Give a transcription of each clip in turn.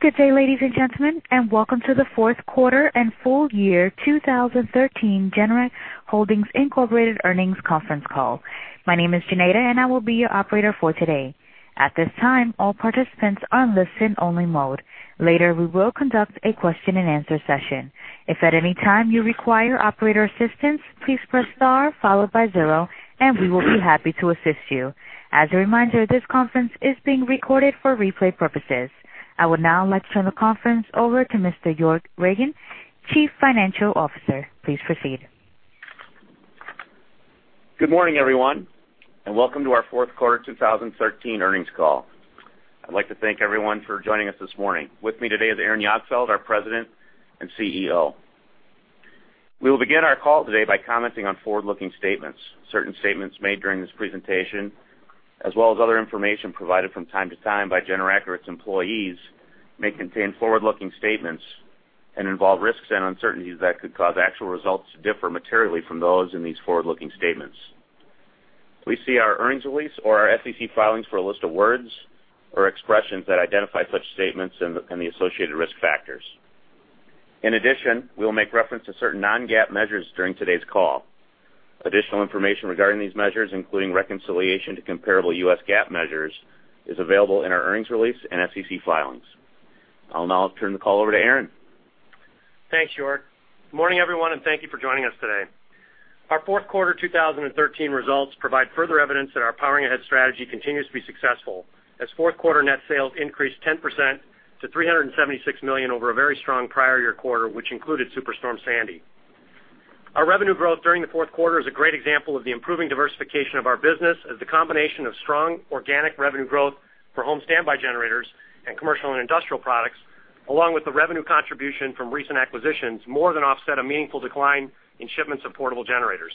Good day, ladies and gentlemen, and welcome to the Fourth Quarter and Full Year 2013 Generac Holdings Incorporated Earnings Conference Call. My name is Janetta, and I will be your operator for today. At this time, all participants are in listen-only mode. Later, we will conduct a question-and-answer session. If at any time you require operator assistance, please press star followed by zero, and we will be happy to assist you. As a reminder, this conference is being recorded for replay purposes. I would now like to turn the conference over to Mr. York Ragen, Chief Financial Officer. Please proceed. Good morning, everyone. Welcome to our fourth quarter 2013 earnings call. I'd like to thank everyone for joining us this morning. With me today is Aaron Jagdfeld, our President and CEO. We will begin our call today by commenting on forward-looking statements. Certain statements made during this presentation, as well as other information provided from time to time by Generac or its employees, may contain forward-looking statements and involve risks and uncertainties that could cause actual results to differ materially from those in these forward-looking statements. Please see our earnings release or our SEC filings for a list of words or expressions that identify such statements and the associated risk factors. In addition, we will make reference to certain non-GAAP measures during today's call. Additional information regarding these measures, including reconciliation to comparable U.S. GAAP measures, is available in our earnings release and SEC filings. I'll now turn the call over to Aaron. Thanks, York. Good morning, everyone. Thank you for joining us today. Our fourth quarter 2013 results provide further evidence that our Powering Ahead strategy continues to be successful, as fourth quarter net sales increased 10% to $376 million over a very strong prior year quarter, which included Superstorm Sandy. Our revenue growth during the fourth quarter is a great example of the improving diversification of our business as the combination of strong organic revenue growth for home standby generators and commercial and industrial products, along with the revenue contribution from recent acquisitions, more than offset a meaningful decline in shipments of portable generators.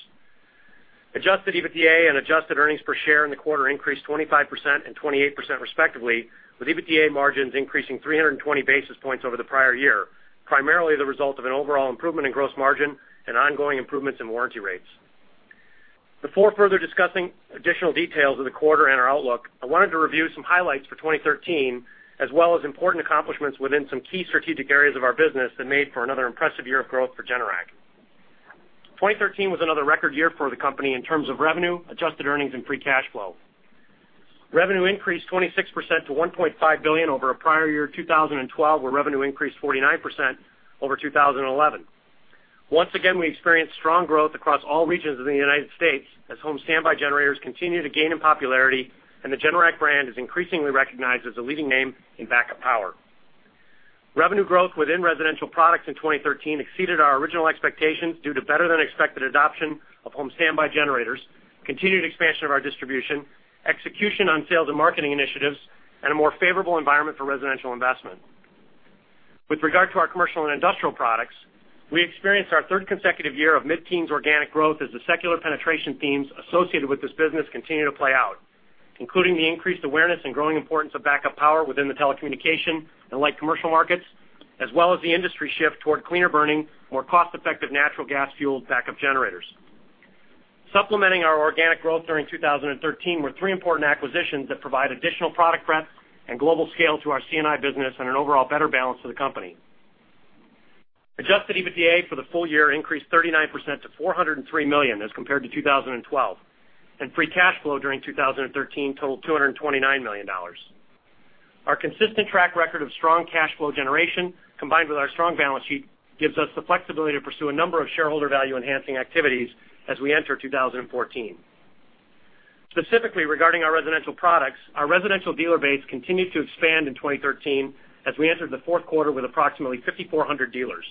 Adjusted EBITDA and adjusted earnings per share in the quarter increased 25% and 28% respectively, with EBITDA margins increasing 320 basis points over the prior year, primarily the result of an overall improvement in gross margin and ongoing improvements in warranty rates. Before further discussing additional details of the quarter and our outlook, I wanted to review some highlights for 2013 as well as important accomplishments within some key strategic areas of our business that made for another impressive year of growth for Generac. 2013 was another record year for the company in terms of revenue, adjusted earnings and free cash flow. Revenue increased 26% to $1.5 billion over a prior year 2012, where revenue increased 49% over 2011. Once again, we experienced strong growth across all regions of the United States as home standby generators continue to gain in popularity and the Generac brand is increasingly recognized as a leading name in backup power. Revenue growth within residential products in 2013 exceeded our original expectations due to better than expected adoption of home standby generators, continued expansion of our distribution, execution on sales and marketing initiatives, and a more favorable environment for residential investment. With regard to our commercial and industrial products, we experienced our third consecutive year of mid-teens organic growth as the secular penetration themes associated with this business continue to play out, including the increased awareness and growing importance of backup power within the telecommunication and light commercial markets, as well as the industry shift toward cleaner burning, more cost-effective natural gas fueled backup generators. Supplementing our organic growth during 2013 were three important acquisitions that provide additional product breadth and global scale to our C&I business and an overall better balance to the company. Adjusted EBITDA for the full year increased 39% to $403 million as compared to 2012, and free cash flow during 2013 totaled $229 million. Our consistent track record of strong cash flow generation, combined with our strong balance sheet, gives us the flexibility to pursue a number of shareholder value enhancing activities as we enter 2014. Specifically regarding our residential products, our residential dealer base continued to expand in 2013 as we entered the fourth quarter with approximately 5,400 dealers.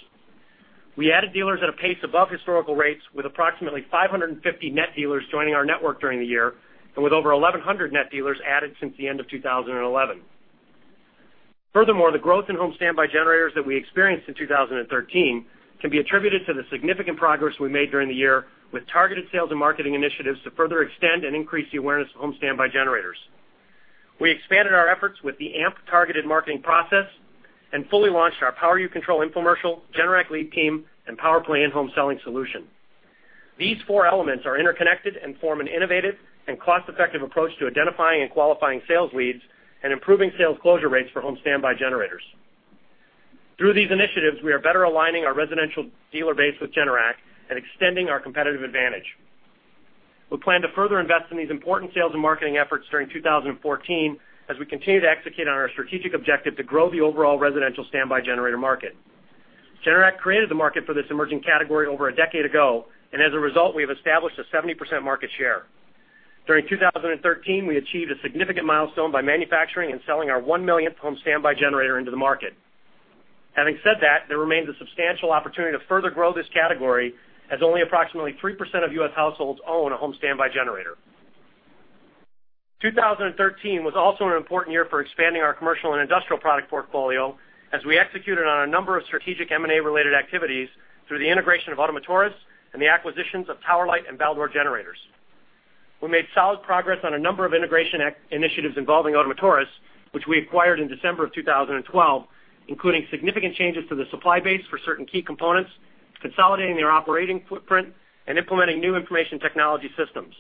We added dealers at a pace above historical rates with approximately 550 net dealers joining our network during the year and with over 1,100 net dealers added since the end of 2011. Furthermore, the growth in home standby generators that we experienced in 2013 can be attributed to the significant progress we made during the year with targeted sales and marketing initiatives to further extend and increase the awareness of home standby generators. We expanded our efforts with the AMP targeted marketing process and fully launched our Power You Control infomercial, Generac Lead Team, and PowerPlay in-home selling solution. These four elements are interconnected and form an innovative and cost-effective approach to identifying and qualifying sales leads and improving sales closure rates for home standby generators. Through these initiatives, we are better aligning our residential dealer base with Generac and extending our competitive advantage. We plan to further invest in these important sales and marketing efforts during 2014 as we continue to execute on our strategic objective to grow the overall residential standby generator market. Generac created the market for this emerging category over a decade ago. As a result, we have established a 70% market share. During 2013, we achieved a significant milestone by manufacturing and selling our one millionth home standby generator into the market. Having said that, there remains a substantial opportunity to further grow this category, as only approximately 3% of U.S. households own a home standby generator. 2013 was also an important year for expanding our commercial and industrial product portfolio as we executed on a number of strategic M&A related activities through the integration of Ottomotores and the acquisitions of Tower Light and Baldor Generators. We made solid progress on a number of integration initiatives involving Ottomotores, which we acquired in December of 2012, including significant changes to the supply base for certain key components, consolidating their operating footprint, and implementing new information technology systems.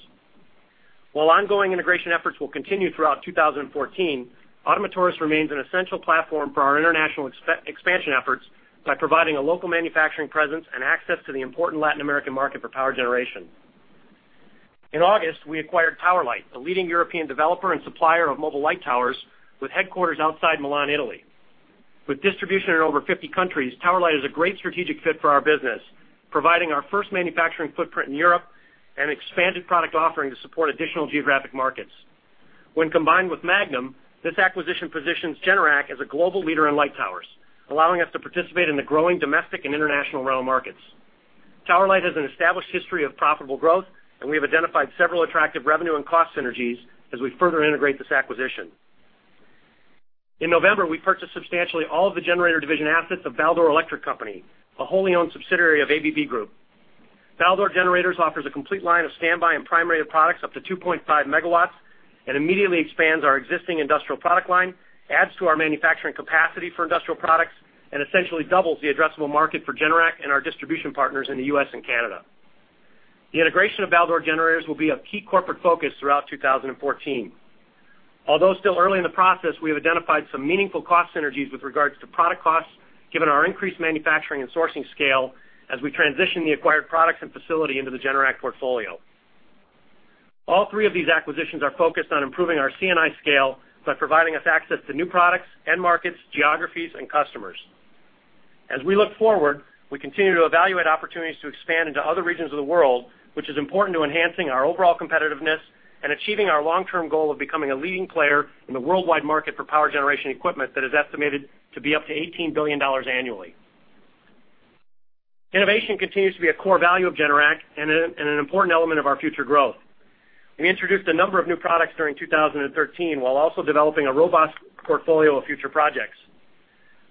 While ongoing integration efforts will continue throughout 2014, Ottomotores remains an essential platform for our international expansion efforts by providing a local manufacturing presence and access to the important Latin American market for power generation. In August, we acquired Tower Light, a leading European developer and supplier of mobile light towers with headquarters outside Milan, Italy. With distribution in over 50 countries, Tower Light is a great strategic fit for our business, providing our first manufacturing footprint in Europe and expanded product offering to support additional geographic markets. When combined with Magnum, this acquisition positions Generac as a global leader in light towers, allowing us to participate in the growing domestic and international rental markets. Tower Light has an established history of profitable growth. We have identified several attractive revenue and cost synergies as we further integrate this acquisition. In November, we purchased substantially all of the generator division assets of Baldor Electric Company, a wholly owned subsidiary of ABB Group. Baldor Generators offers a complete line of standby and primary products up to 2.5 MW. It immediately expands our existing industrial product line, adds to our manufacturing capacity for industrial products, and essentially doubles the addressable market for Generac and our distribution partners in the U.S. and Canada. The integration of Baldor Generators will be a key corporate focus throughout 2014. Although still early in the process, we have identified some meaningful cost synergies with regards to product costs, given our increased manufacturing and sourcing scale as we transition the acquired products and facility into the Generac portfolio. All three of these acquisitions are focused on improving our C&I scale by providing us access to new products, end markets, geographies, and customers. We continue to evaluate opportunities to expand into other regions of the world, which is important to enhancing our overall competitiveness and achieving our long-term goal of becoming a leading player in the worldwide market for power generation equipment that is estimated to be up to $18 billion annually. Innovation continues to be a core value of Generac and an important element of our future growth. We introduced a number of new products during 2013 while also developing a robust portfolio of future projects.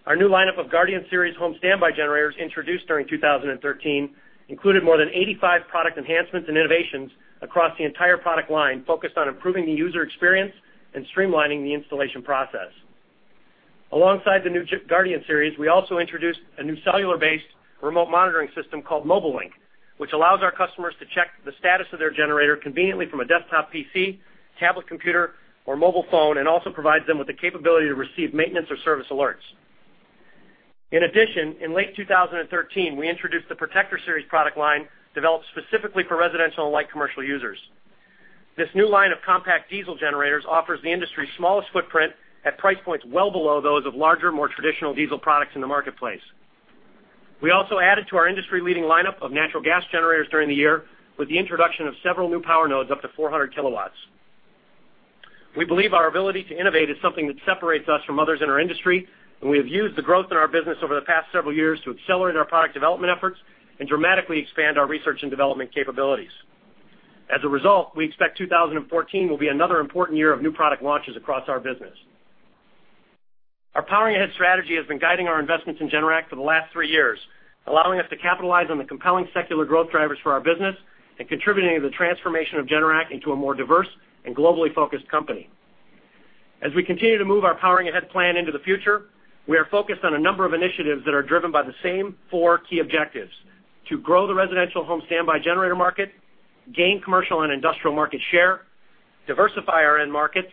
Our new lineup of Guardian series home standby generators introduced during 2013 included more than 85 product enhancements and innovations across the entire product line, focused on improving the user experience and streamlining the installation process. Alongside the new Guardian series, we also introduced a new cellular-based remote monitoring system called Mobile Link, which allows our customers to check the status of their generator conveniently from a desktop PC, tablet computer, or mobile phone, and also provides them with the capability to receive maintenance or service alerts. In addition, in late 2013, we introduced the Protector series product line, developed specifically for residential and light commercial users. This new line of compact diesel generators offers the industry's smallest footprint at price points well below those of larger, more traditional diesel products in the marketplace. We also added to our industry-leading lineup of natural gas generators during the year with the introduction of several new power nodes up to 400 kW. We believe our ability to innovate is something that separates us from others in our industry. We have used the growth in our business over the past several years to accelerate our product development efforts and dramatically expand our research and development capabilities. As a result, we expect 2014 will be another important year of new product launches across our business. Our Powering Ahead strategy has been guiding our investments in Generac for the last three years, allowing us to capitalize on the compelling secular growth drivers for our business and contributing to the transformation of Generac into a more diverse and globally focused company. As we continue to move our Powering Ahead plan into the future, we are focused on a number of initiatives that are driven by the same four key objectives: to grow the residential home standby generator market, gain commercial and industrial market share, diversify our end markets,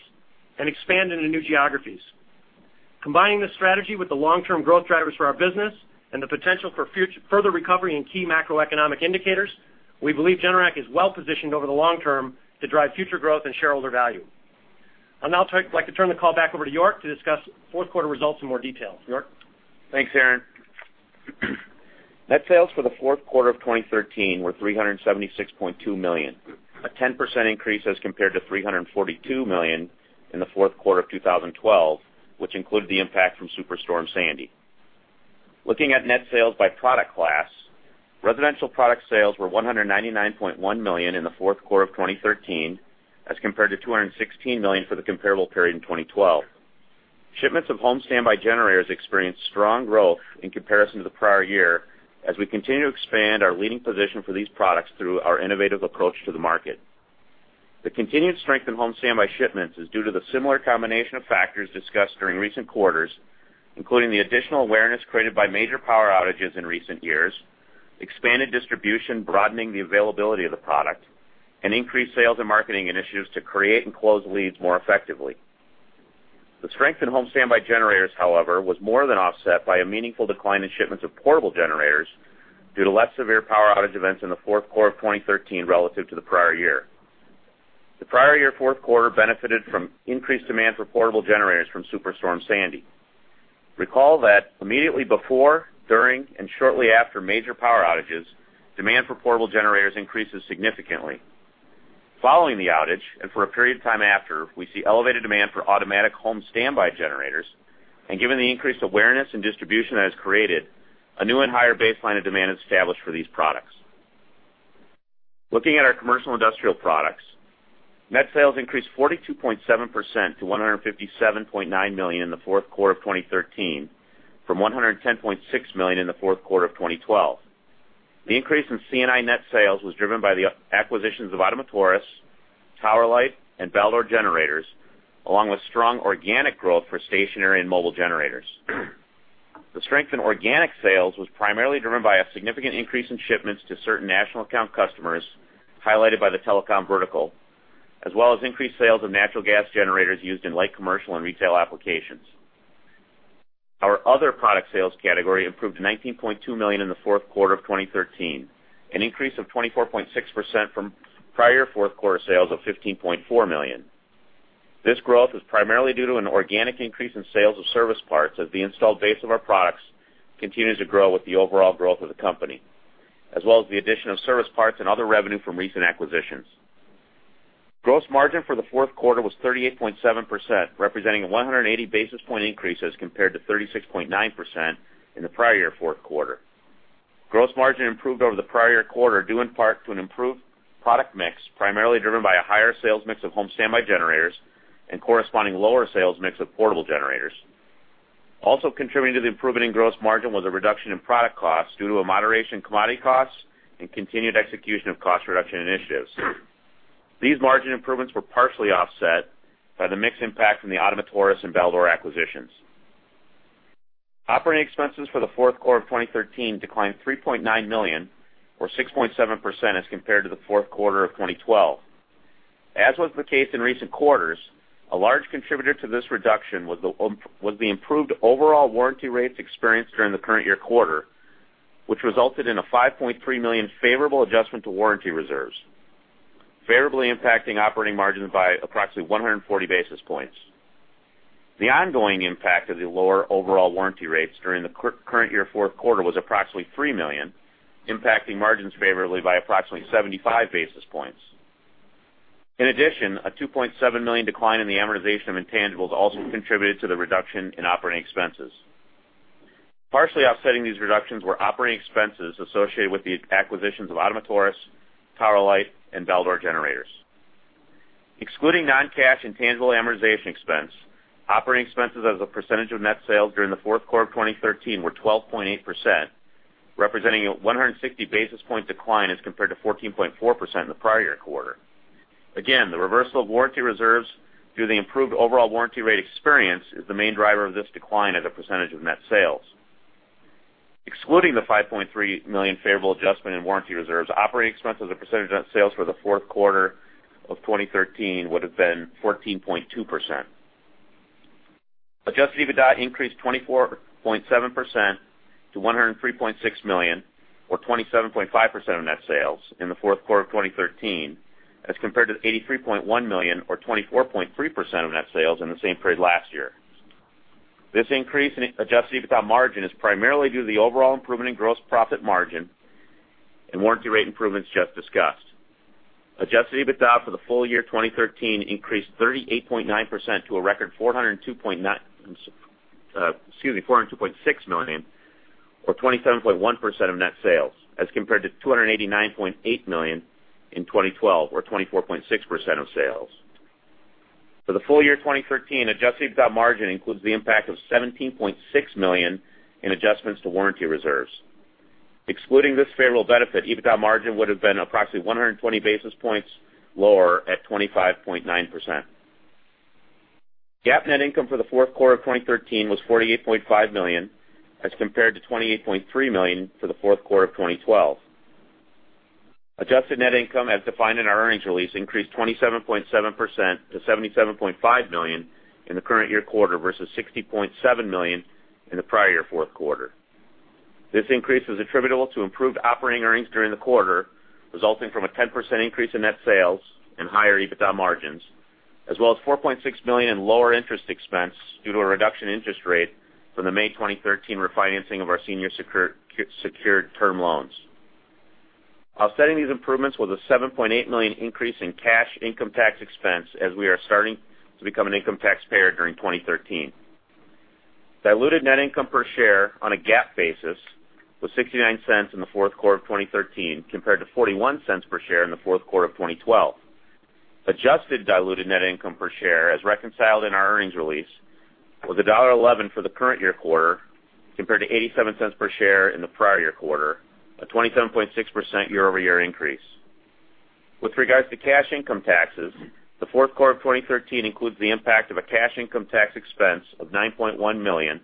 and expand into new geographies. Combining this strategy with the long-term growth drivers for our business and the potential for further recovery in key macroeconomic indicators, we believe Generac is well-positioned over the long term to drive future growth and shareholder value. I'd now like to turn the call back over to York to discuss fourth quarter results in more detail. York? Thanks, Aaron. Net sales for the fourth quarter of 2013 were $376.2 million, a 10% increase as compared to $342 million in the fourth quarter of 2012, which included the impact from Superstorm Sandy. Looking at net sales by product class, residential product sales were $199.1 million in the fourth quarter of 2013 as compared to $216 million for the comparable period in 2012. Shipments of home standby generators experienced strong growth in comparison to the prior year, as we continue to expand our leading position for these products through our innovative approach to the market. The continued strength in home standby shipments is due to the similar combination of factors discussed during recent quarters, including the additional awareness created by major power outages in recent years, expanded distribution broadening the availability of the product, and increased sales and marketing initiatives to create and close leads more effectively. The strength in home standby generators, however, was more than offset by a meaningful decline in shipments of portable generators due to less severe power outage events in the fourth quarter of 2013 relative to the prior year. The prior year fourth quarter benefited from increased demand for portable generators from Superstorm Sandy. Recall that immediately before, during, and shortly after major power outages, demand for portable generators increases significantly. Following the outage, and for a period of time after, we see elevated demand for automatic home standby generators. Given the increased awareness and distribution that is created, a new and higher baseline of demand is established for these products. Looking at our commercial industrial products, net sales increased 42.7% to $157.9 million in the fourth quarter of 2013 from $110.6 million in the fourth quarter of 2012. The increase in C&I net sales was driven by the acquisitions of Ottomotores, Tower Light, and Baldor Generators, along with strong organic growth for stationary and mobile generators. The strength in organic sales was primarily driven by a significant increase in shipments to certain national account customers, highlighted by the telecom vertical, as well as increased sales of natural gas generators used in light commercial and retail applications. Our other product sales category improved to $19.2 million in the fourth quarter of 2013, an increase of 24.6% from prior fourth quarter sales of $15.4 million. This growth was primarily due to an organic increase in sales of service parts, as the installed base of our products continues to grow with the overall growth of the company, as well as the addition of service parts and other revenue from recent acquisitions. Gross margin for the fourth quarter was 38.7%, representing a 180 basis point increase as compared to 36.9% in the prior year fourth quarter. Gross margin improved over the prior quarter, due in part to an improved product mix, primarily driven by a higher sales mix of home standby generators and corresponding lower sales mix of portable generators. Also contributing to the improvement in gross margin was a reduction in product costs due to a moderation in commodity costs and continued execution of cost reduction initiatives. These margin improvements were partially offset by the mix impact from the Ottomotores and Baldor acquisitions. Operating expenses for the fourth quarter of 2013 declined $3.9 million or 6.7% as compared to the fourth quarter of 2012. As was the case in recent quarters, a large contributor to this reduction was the improved overall warranty rates experienced during the current year quarter, which resulted in a $5.3 million favorable adjustment to warranty reserves, favorably impacting operating margins by approximately 140 basis points. The ongoing impact of the lower overall warranty rates during the current year fourth quarter was approximately $3 million, impacting margins favorably by approximately 75 basis points. In addition, a $2.7 million decline in the amortization of intangibles also contributed to the reduction in operating expenses. Partially offsetting these reductions were operating expenses associated with the acquisitions of Ottomotores, Tower Light, and Baldor Generators. Excluding non-cash intangible amortization expense, operating expenses as a percentage of net sales during the fourth quarter of 2013 were 12.8%, representing a 160 basis point decline as compared to 14.4% in the prior year quarter. The reversal of warranty reserves through the improved overall warranty rate experience is the main driver of this decline as a percentage of net sales. Excluding the $5.3 million favorable adjustment in warranty reserves, operating expenses as a percentage of net sales for the fourth quarter of 2013 would've been 14.2%. Adjusted EBITDA increased 24.7% to $103.6 million, or 27.5% of net sales in the fourth quarter of 2013, as compared to $83.1 million or 24.3% of net sales in the same period last year. This increase in adjusted EBITDA margin is primarily due to the overall improvement in gross profit margin and warranty rate improvements just discussed. Adjusted EBITDA for the full year 2013 increased 38.9% to a record $402.6 million or 27.1% of net sales, as compared to $289.8 million in 2012, or 24.6% of sales. For the full year 2013, adjusted EBITDA margin includes the impact of $17.6 million in adjustments to warranty reserves. Excluding this favorable benefit, EBITDA margin would've been approximately 120 basis points lower at 25.9%. GAAP net income for the fourth quarter of 2013 was $48.5 million, as compared to $28.3 million for the fourth quarter of 2012. Adjusted net income, as defined in our earnings release, increased 27.7% to $77.5 million in the current year quarter versus $60.7 million in the prior year fourth quarter. This increase was attributable to improved operating earnings during the quarter, resulting from a 10% increase in net sales and higher EBITDA margins, as well as $4.6 million in lower interest expense due to a reduction in interest rate from the May 2013 refinancing of our senior secured term loans. Offsetting these improvements was a $7.8 million increase in cash income tax expense, as we are starting to become an income taxpayer during 2013. Diluted net income per share on a GAAP basis was $0.69 in the fourth quarter of 2013, compared to $0.41 per share in the fourth quarter of 2012. Adjusted diluted net income per share, as reconciled in our earnings release, was $1.11 for the current year quarter, compared to $0.87 per share in the prior year quarter, a 27.6% year-over-year increase. With regards to cash income taxes, the fourth quarter of 2013 includes the impact of a cash income tax expense of $9.1 million,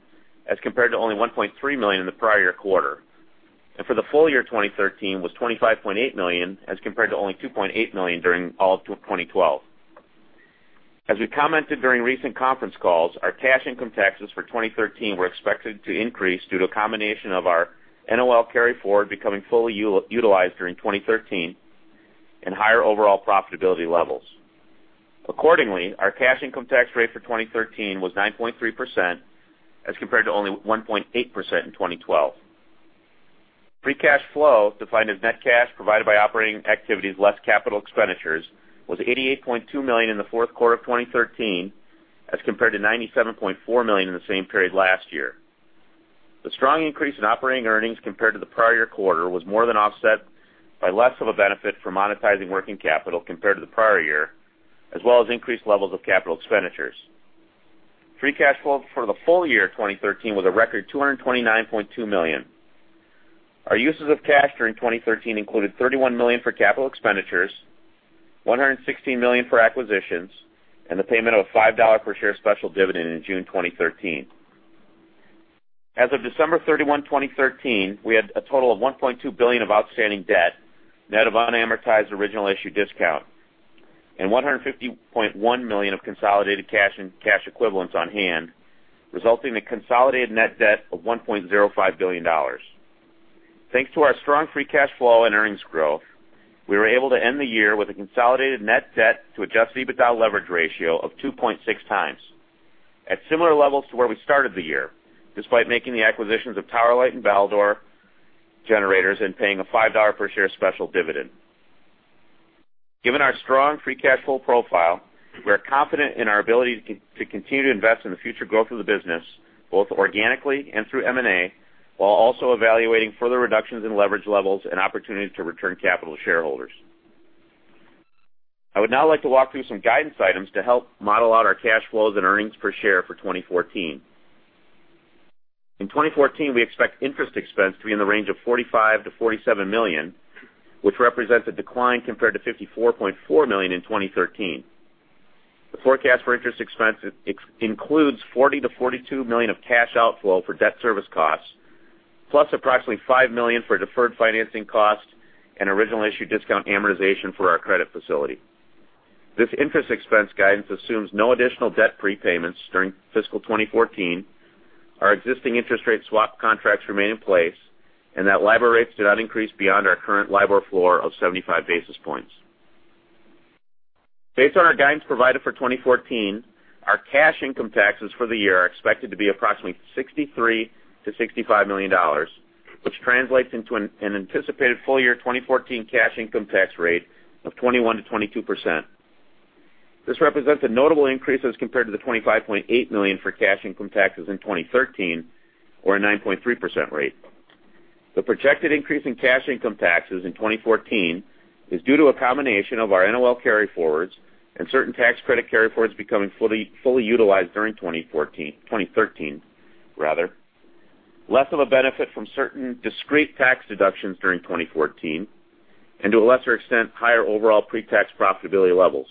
as compared to only $1.3 million in the prior quarter. For the full year 2013 was $25.8 million, as compared to only $2.8 million during all of 2012. As we commented during recent conference calls, our cash income taxes for 2013 were expected to increase due to a combination of our NOL carry-forward becoming fully utilized during 2013 and higher overall profitability levels. Accordingly, our cash income tax rate for 2013 was 9.3%, as compared to only 1.8% in 2012. Free cash flow, defined as net cash provided by operating activities less capital expenditures, was $88.2 million in the fourth quarter of 2013, as compared to $97.4 million in the same period last year. The strong increase in operating earnings compared to the prior year quarter was more than offset by less of a benefit for monetizing working capital compared to the prior year, as well as increased levels of capital expenditures. Free cash flow for the full year 2013 was a record $229.2 million. Our uses of cash during 2013 included $31 million for capital expenditures, $116 million for acquisitions, and the payment of a $5 per share special dividend in June 2013. As of 31 December 2013, we had a total of $1.2 billion of outstanding debt, net of unamortized original issue discount, and $150.1 million of consolidated cash and cash equivalents on hand, resulting in consolidated net debt of $1.05 billion. Thanks to our strong free cash flow and earnings growth, we were able to end the year with a consolidated net debt to adjusted EBITDA leverage ratio of 2.6 times, at similar levels to where we started the year, despite making the acquisitions of Tower Light and Baldor Generators and paying a $5 per share special dividend. Given our strong free cash flow profile, we are confident in our ability to continue to invest in the future growth of the business, both organically and through M&A, while also evaluating further reductions in leverage levels and opportunities to return capital to shareholders. I would now like to walk through some guidance items to help model out our cash flows and earnings per share for 2014. In 2014, we expect interest expense to be in the range of $45 million-$47 million, which represents a decline compared to $54.4 million in 2013. The forecast for interest expense includes $40 million-$42 million of cash outflow for debt service costs, plus approximately $5 million for deferred financing costs and original issue discount amortization for our credit facility. This interest expense guidance assumes no additional debt prepayments during fiscal 2014, our existing interest rate swap contracts remain in place, and that LIBOR rates do not increase beyond our current LIBOR floor of 75 basis points. Based on our guidance provided for 2014, our cash income taxes for the year are expected to be approximately $63 million-$65 million, which translates into an anticipated full-year 2014 cash income tax rate of 21%-22%. This represents a notable increase as compared to the $25.8 million for cash income taxes in 2013, or a 9.3% rate. The projected increase in cash income taxes in 2014 is due to a combination of our NOL carry-forwards and certain tax credit carry-forwards becoming fully utilized during 2013. Less of a benefit from certain discrete tax deductions during 2014, and to a lesser extent, higher overall pre-tax profitability levels.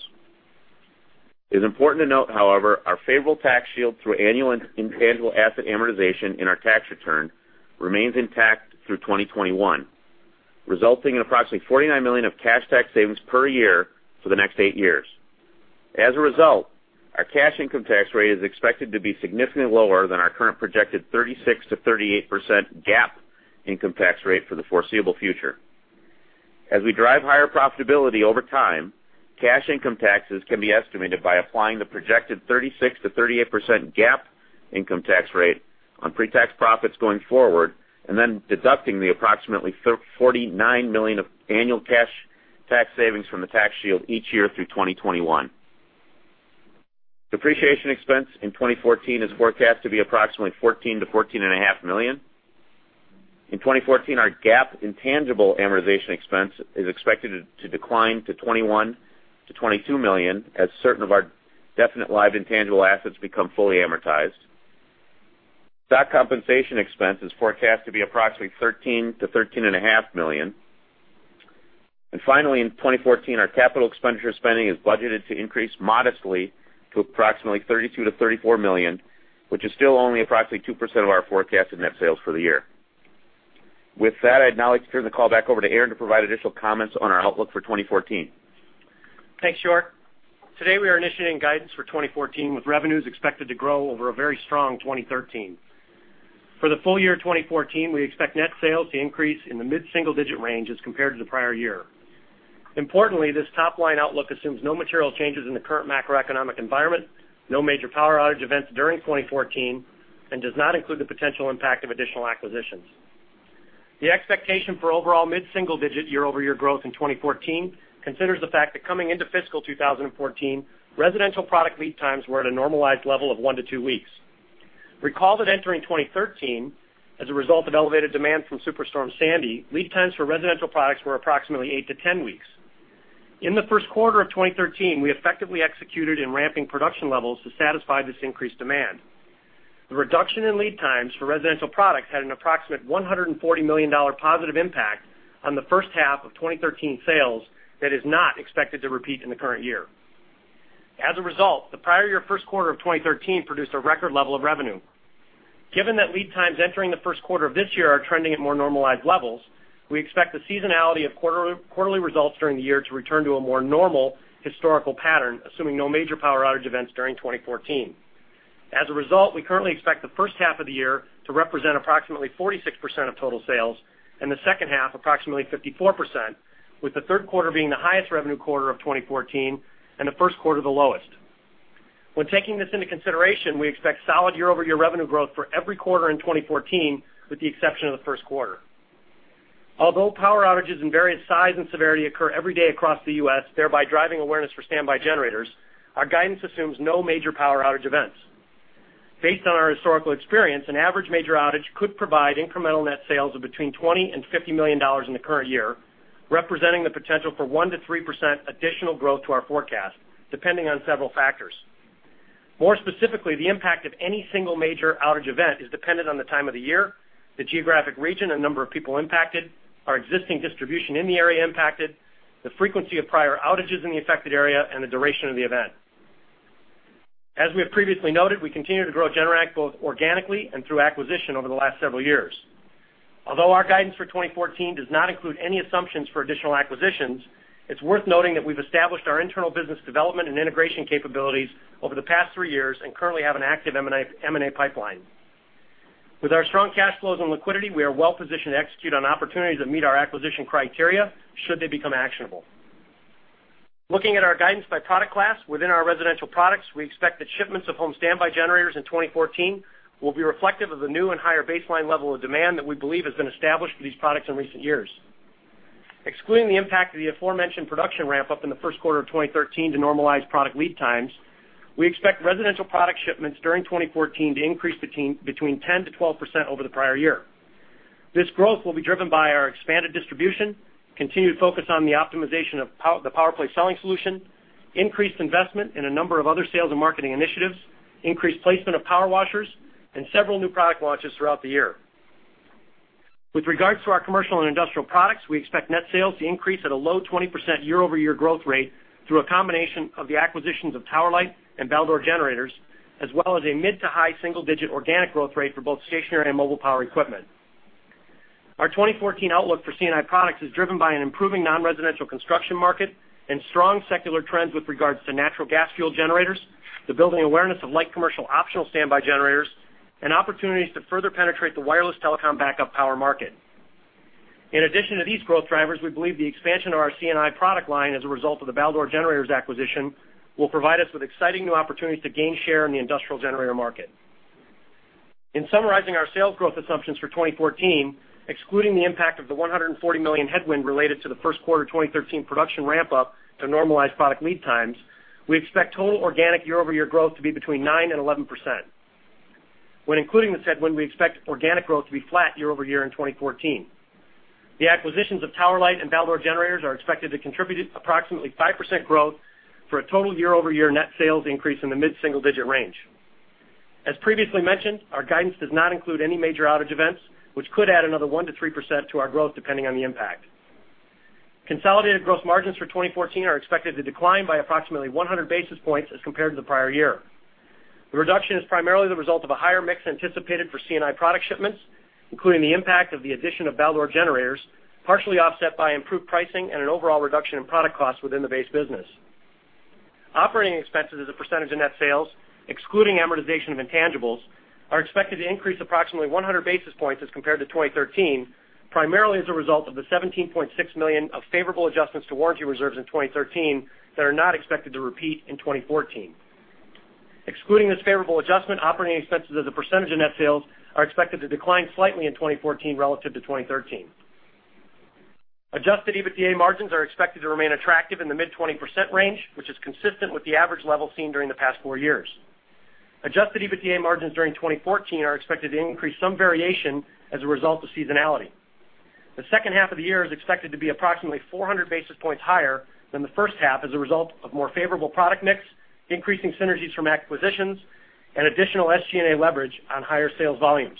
It is important to note, however, our favorable tax shield through annual intangible asset amortization in our tax return remains intact through 2021, resulting in approximately $49 million of cash tax savings per year for the next eight years. As a result, our cash income tax rate is expected to be significantly lower than our current projected 36%-38% GAAP income tax rate for the foreseeable future. As we drive higher profitability over time, cash income taxes can be estimated by applying the projected 36%-38% GAAP income tax rate on pre-tax profits going forward, and then deducting the approximately $49 million of annual cash tax savings from the tax shield each year through 2021. Depreciation expense in 2014 is forecast to be approximately $14 million-$14.5 million. In 2014, our GAAP intangible amortization expense is expected to decline to $21 million-$22 million as certain of our definite live intangible assets become fully amortized. Stock compensation expense is forecast to be approximately $13 million-$13.5 million. Finally, in 2014, our capital expenditure spending is budgeted to increase modestly to approximately $32 million-$34 million, which is still only approximately 2% of our forecasted net sales for the year. With that, I'd now like to turn the call back over to Aaron to provide additional comments on our outlook for 2014. Thanks, York. Today, we are initiating guidance for 2014, with revenues expected to grow over a very strong 2013. For the full year 2014, we expect net sales to increase in the mid-single-digit range as compared to the prior year. Importantly, this top-line outlook assumes no material changes in the current macroeconomic environment, no major power outage events during 2014, and does not include the potential impact of additional acquisitions. The expectation for overall mid-single-digit year-over-year growth in 2014 considers the fact that coming into fiscal 2014, residential product lead times were at a normalized level of one to two weeks. Recall that entering 2013, as a result of elevated demand from Superstorm Sandy, lead times for residential products were approximately 8-10 weeks. In the first quarter of 2013, we effectively executed in ramping production levels to satisfy this increased demand. The reduction in lead times for residential products had an approximate $140 million positive impact on the first half of 2013 sales that is not expected to repeat in the current year. As a result, the prior year first quarter of 2013 produced a record level of revenue. Given that lead times entering the first quarter of this year are trending at more normalized levels, we expect the seasonality of quarterly results during the year to return to a more normal historical pattern, assuming no major power outage events during 2014. As a result, we currently expect the first half of the year to represent approximately 46% of total sales, and the second half approximately 54%, with the third quarter being the highest revenue quarter of 2014, and the first quarter the lowest. When taking this into consideration, we expect solid year-over-year revenue growth for every quarter in 2014, with the exception of the first quarter. Although power outages in various size and severity occur every day across the U.S., thereby driving awareness for home standby generators, our guidance assumes no major power outage events. Based on our historical experience, an average major outage could provide incremental net sales of between $20 and $50 million in the current year, representing the potential for 1%-3% additional growth to our forecast, depending on several factors. More specifically, the impact of any single major outage event is dependent on the time of the year, the geographic region, the number of people impacted, our existing distribution in the area impacted, the frequency of prior outages in the affected area, and the duration of the event. As we have previously noted, we continue to grow Generac both organically and through acquisition over the last several years. Although our guidance for 2014 does not include any assumptions for additional acquisitions, it is worth noting that we have established our internal business development and integration capabilities over the past three years and currently have an active M&A pipeline. With our strong cash flows and liquidity, we are well positioned to execute on opportunities that meet our acquisition criteria should they become actionable. Looking at our guidance by product class, within our residential products, we expect that shipments of home standby generators in 2014 will be reflective of the new and higher baseline level of demand that we believe has been established for these products in recent years. Excluding the impact of the aforementioned production ramp-up in the first quarter of 2013 to normalize product lead times, we expect residential product shipments during 2014 to increase between 10%-12% over the prior year. This growth will be driven by our expanded distribution, continued focus on the optimization of the PowerPlay selling solution, increased investment in a number of other sales and marketing initiatives, increased placement of power washers, and several new product launches throughout the year. With regards to our commercial and industrial products, we expect net sales to increase at a low 20% year-over-year growth rate through a combination of the acquisitions of Tower Light and Baldor Generators, as well as a mid to high single-digit organic growth rate for both stationary and mobile power equipment. Our 2014 outlook for C&I products is driven by an improving non-residential construction market and strong secular trends with regards to natural gas-fueled generators, the building awareness of light commercial optional standby generators, and opportunities to further penetrate the wireless telecom backup power market. In addition to these growth drivers, we believe the expansion of our C&I product line as a result of the Baldor Generators acquisition will provide us with exciting new opportunities to gain share in the industrial generator market. In summarizing our sales growth assumptions for 2014, excluding the impact of the $140 million headwind related to the first quarter 2013 production ramp-up to normalize product lead times, we expect total organic year-over-year growth to be between 9% and 11%. When including this headwind, we expect organic growth to be flat year-over-year in 2014. The acquisitions of Tower Light and Baldor Generators are expected to contribute approximately 5% growth for a total year-over-year net sales increase in the mid-single digit range. As previously mentioned, our guidance does not include any major outage events, which could add another 1%-3% to our growth depending on the impact. Consolidated gross margins for 2014 are expected to decline by approximately 100 basis points as compared to the prior year. The reduction is primarily the result of a higher mix anticipated for C&I product shipments, including the impact of the addition of Baldor Generators, partially offset by improved pricing and an overall reduction in product costs within the base business. Operating expenses as a percentage of net sales, excluding amortization of intangibles, are expected to increase approximately 100 basis points as compared to 2013, primarily as a result of the $17.6 million of favorable adjustments to warranty reserves in 2013 that are not expected to repeat in 2014. Excluding this favorable adjustment, operating expenses as a percentage of net sales are expected to decline slightly in 2014 relative to 2013. Adjusted EBITDA margins are expected to remain attractive in the mid-20% range, which is consistent with the average level seen during the past four years. Adjusted EBITDA margins during 2014 are expected to increase some variation as a result of seasonality. The second half of the year is expected to be approximately 400 basis points higher than the first half as a result of more favorable product mix, increasing synergies from acquisitions, and additional SG&A leverage on higher sales volumes.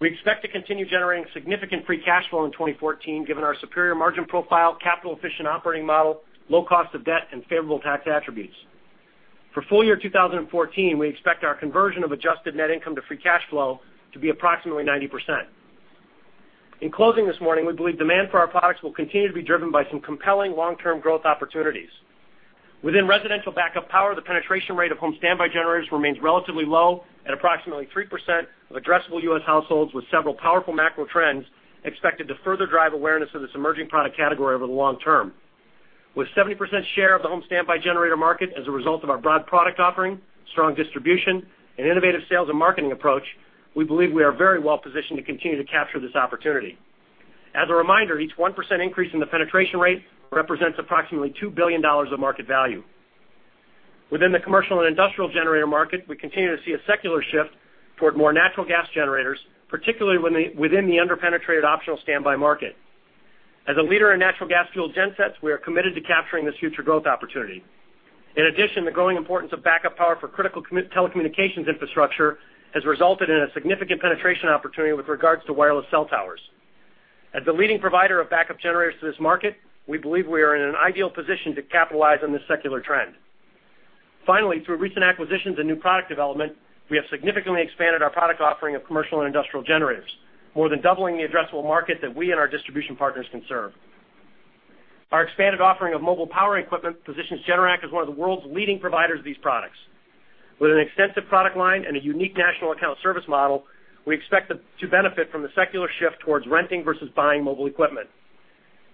We expect to continue generating significant free cash flow in 2014 given our superior margin profile, capital-efficient operating model, low cost of debt and favorable tax attributes. For full year 2014, we expect our conversion of adjusted net income to free cash flow to be approximately 90%. In closing this morning, we believe demand for our products will continue to be driven by some compelling long-term growth opportunities. Within residential backup power, the penetration rate of home standby generators remains relatively low at approximately 3% of addressable U.S. households, with several powerful macro trends expected to further drive awareness of this emerging product category over the long term. With 70% share of the home standby generator market as a result of our broad product offering, strong distribution, and innovative sales and marketing approach, we believe we are very well positioned to continue to capture this opportunity. As a reminder, each 1% increase in the penetration rate represents approximately $2 billion of market value. Within the commercial and industrial generator market, we continue to see a secular shift toward more natural gas generators, particularly within the under-penetrated optional standby market. As a leader in natural gas-fueled gensets, we are committed to capturing this future growth opportunity. In addition, the growing importance of backup power for critical telecommunications infrastructure has resulted in a significant penetration opportunity with regards to wireless cell towers. As the leading provider of backup generators to this market, we believe we are in an ideal position to capitalize on this secular trend. Finally, through recent acquisitions and new product development, we have significantly expanded our product offering of commercial and industrial generators, more than doubling the addressable market that we and our distribution partners can serve. Our expanded offering of mobile power equipment positions Generac as one of the world's leading providers of these products. With an extensive product line and a unique national account service model, we expect to benefit from the secular shift towards renting versus buying mobile equipment.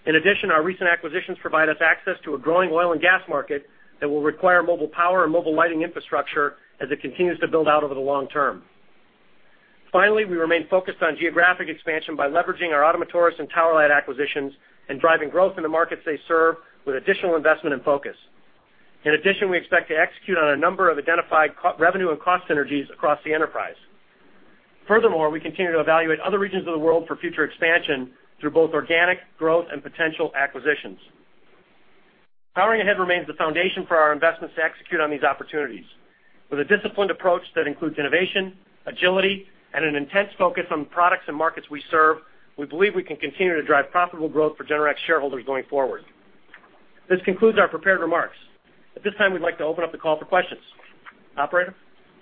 In addition, our recent acquisitions provide us access to a growing oil and gas market that will require mobile power and mobile lighting infrastructure as it continues to build out over the long term. Finally, we remain focused on geographic expansion by leveraging our Ottomotores and Tower Light acquisitions and driving growth in the markets they serve with additional investment and focus. In addition, we expect to execute on a number of identified revenue and cost synergies across the enterprise. Furthermore, we continue to evaluate other regions of the world for future expansion through both organic growth and potential acquisitions. Powering Ahead remains the foundation for our investments to execute on these opportunities. With a disciplined approach that includes innovation, agility, and an intense focus on products and markets we serve, we believe we can continue to drive profitable growth for Generac shareholders going forward. This concludes our prepared remarks. At this time, we'd like to open up the call for questions. Operator?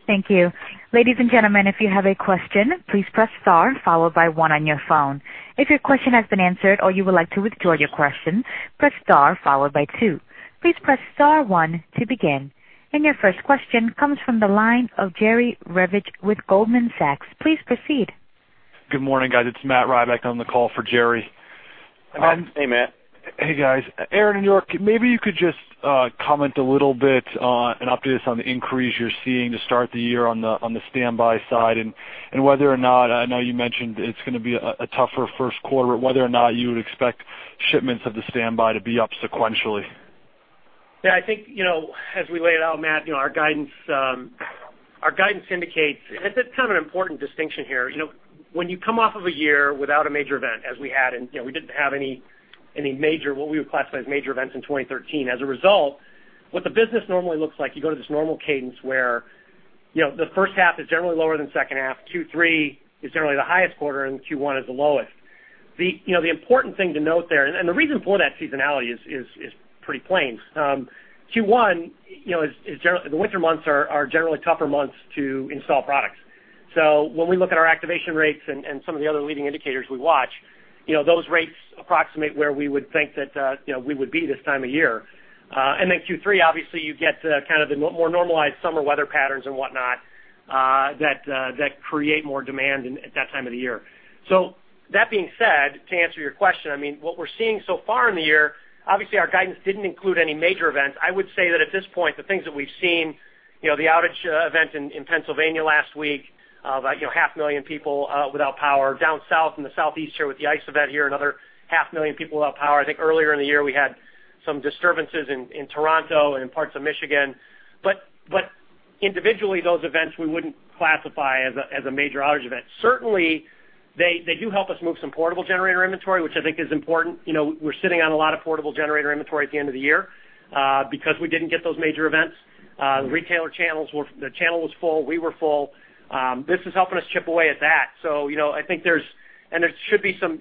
Thank you. Ladies and gentlemen, if you have a question, please press star followed by one on your phone. If your question has been answered or you would like to withdraw your question, press star followed by two. Please press star one to begin. Your first question comes from the line of Jerry Revich with Goldman Sachs. Please proceed. Good morning, guys. It's Matt Rybak on the call for Jerry. Hey, Matt. Hey, guys. Aaron and York, maybe you could just comment a little bit on an update on the increase you're seeing to start the year on the standby side and whether or not, I know you mentioned it's going to be a tougher first quarter, whether or not you would expect shipments of the standby to be up sequentially. I think as we laid out, Matt, our guidance indicates, it's kind of an important distinction here. When you come off of a year without a major event, as we had, we didn't have what we would classify as major events in 2013. As a result, what the business normally looks like, you go to this normal cadence where the first half is generally lower than second half, Q3 is generally the highest quarter, Q1 is the lowest. The important thing to note there, the reason for that seasonality is pretty plain. Q1, the winter months are generally tougher months to install products. When we look at our activation rates and some of the other leading indicators we watch, those rates approximate where we would think that we would be this time of year. Q3, obviously, you get kind of the more normalized summer weather patterns and whatnot, that create more demand at that time of the year. That being said, to answer your question, what we're seeing so far in the year, obviously, our guidance didn't include any major events. I would say that at this point, the things that we've seen, the outage event in Pennsylvania last week, about half a million people without power. Down south in the Southeast here with the ice event here, another half a million people without power. I think earlier in the year, we had some disturbances in Toronto and in parts of Michigan. Individually, those events we wouldn't classify as a major outage event. Certainly, they do help us move some portable generator inventory, which I think is important. We're sitting on a lot of portable generator inventory at the end of the year because we didn't get those major events. The channel was full. We were full. This is helping us chip away at that. There should be some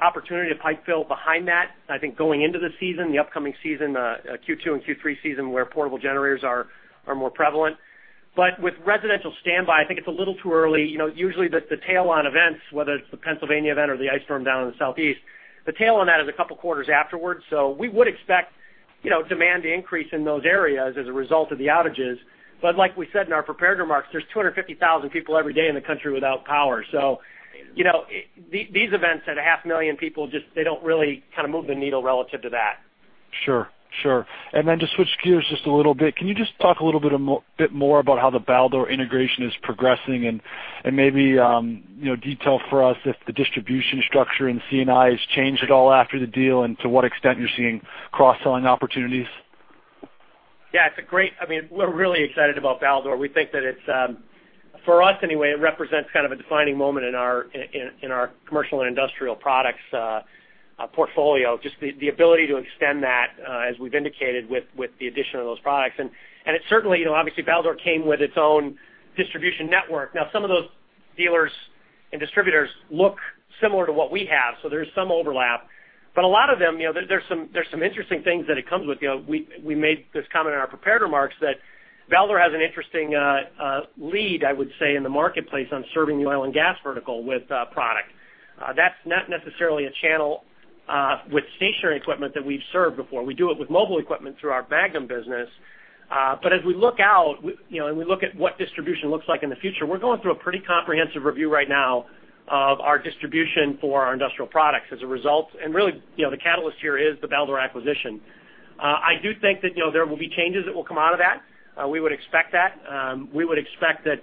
opportunity to pipe fill behind that, I think, going into the season, the upcoming season, Q2 and Q3 season, where portable generators are more prevalent. With residential standby, I think it's a little too early. Usually, the tail on events, whether it's the Pennsylvania event or the ice storm down in the Southeast, the tail on that is a couple of quarters afterwards. We would expect demand to increase in those areas as a result of the outages. Like we said in our prepared remarks, there's 250,000 people every day in the country without power. These events at a half million people, they don't really kind of move the needle relative to that. Sure. To switch gears just a little bit, can you just talk a little bit more about how the Baldor integration is progressing and maybe detail for us if the distribution structure in C&I has changed at all after the deal and to what extent you're seeing cross-selling opportunities? Yeah, we're really excited about Baldor. We think that for us, anyway, it represents kind of a defining moment in our commercial and industrial products portfolio, just the ability to extend that as we've indicated with the addition of those products. It certainly, obviously Baldor came with its own distribution network. Some of those dealers and distributors look similar to what we have, so there's some overlap. A lot of them, there's some interesting things that it comes with. We made this comment in our prepared remarks that Baldor has an interesting lead, I would say, in the marketplace on serving the oil and gas vertical with product. That's not necessarily a channel with stationary equipment that we've served before. We do it with mobile equipment through our Magnum business. As we look out, and we look at what distribution looks like in the future, we're going through a pretty comprehensive review right now of our distribution for our industrial products as a result. Really, the catalyst here is the Baldor acquisition. I do think that there will be changes that will come out of that. We would expect that. We would expect that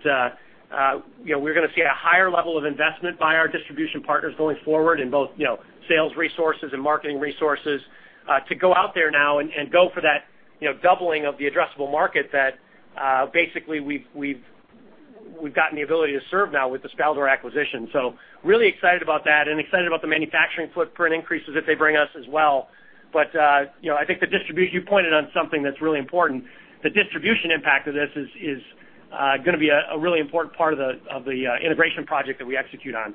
we're going to see a higher level of investment by our distribution partners going forward in both sales resources and marketing resources to go out there now and go for that doubling of the addressable market that basically we've gotten the ability to serve now with this Baldor acquisition. Really excited about that and excited about the manufacturing footprint increases that they bring us as well. I think you pointed on something that's really important. The distribution impact of this is going to be a really important part of the integration project that we execute on.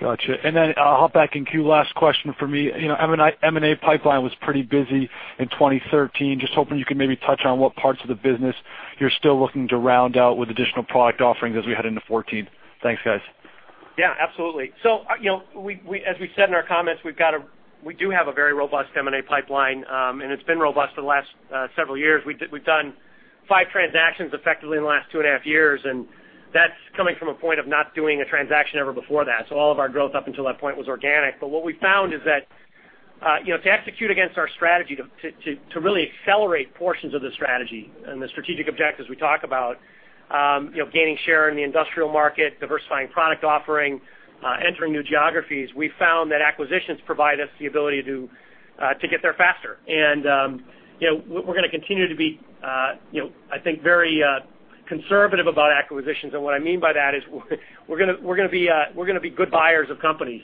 Got you. I'll hop back in queue. Last question from me. M&A pipeline was pretty busy in 2013. Just hoping you could maybe touch on what parts of the business you're still looking to round out with additional product offerings as we head into 2014. Thanks, guys. Yeah, absolutely. As we said in our comments, we do have a very robust M&A pipeline, and it's been robust for the last several years. We've done five transactions effectively in the last two and a half years, and that's coming from a point of not doing a transaction ever before that. All of our growth up until that point was organic. What we found is that to execute against our strategy, to really accelerate portions of the strategy and the strategic objectives we talk about, gaining share in the industrial market, diversifying product offering, entering new geographies, we found that acquisitions provide us the ability to get there faster. We're going to continue to be, I think very conservative about acquisitions. What I mean by that is we're going to be good buyers of companies,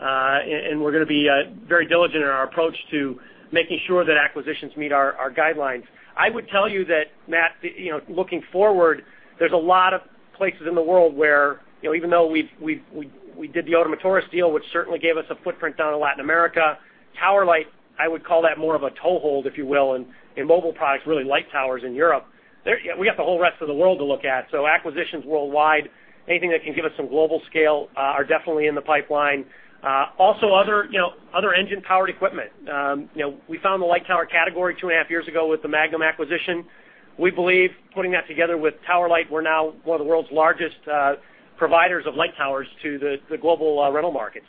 and we're going to be very diligent in our approach to making sure that acquisitions meet our guidelines. I would tell you that, Matt, looking forward, there's a lot of places in the world where, even though we did the Ottomotores deal, which certainly gave us a footprint down in Latin America, Tower Light, I would call that more of a toehold, if you will, in mobile products, really light towers in Europe. We got the whole rest of the world to look at. Acquisitions worldwide, anything that can give us some global scale, are definitely in the pipeline. Also other engine-powered equipment. We found the light tower category two and a half years ago with the Magnum acquisition. We believe putting that together with Tower Light, we're now one of the world's largest providers of light towers to the global rental markets.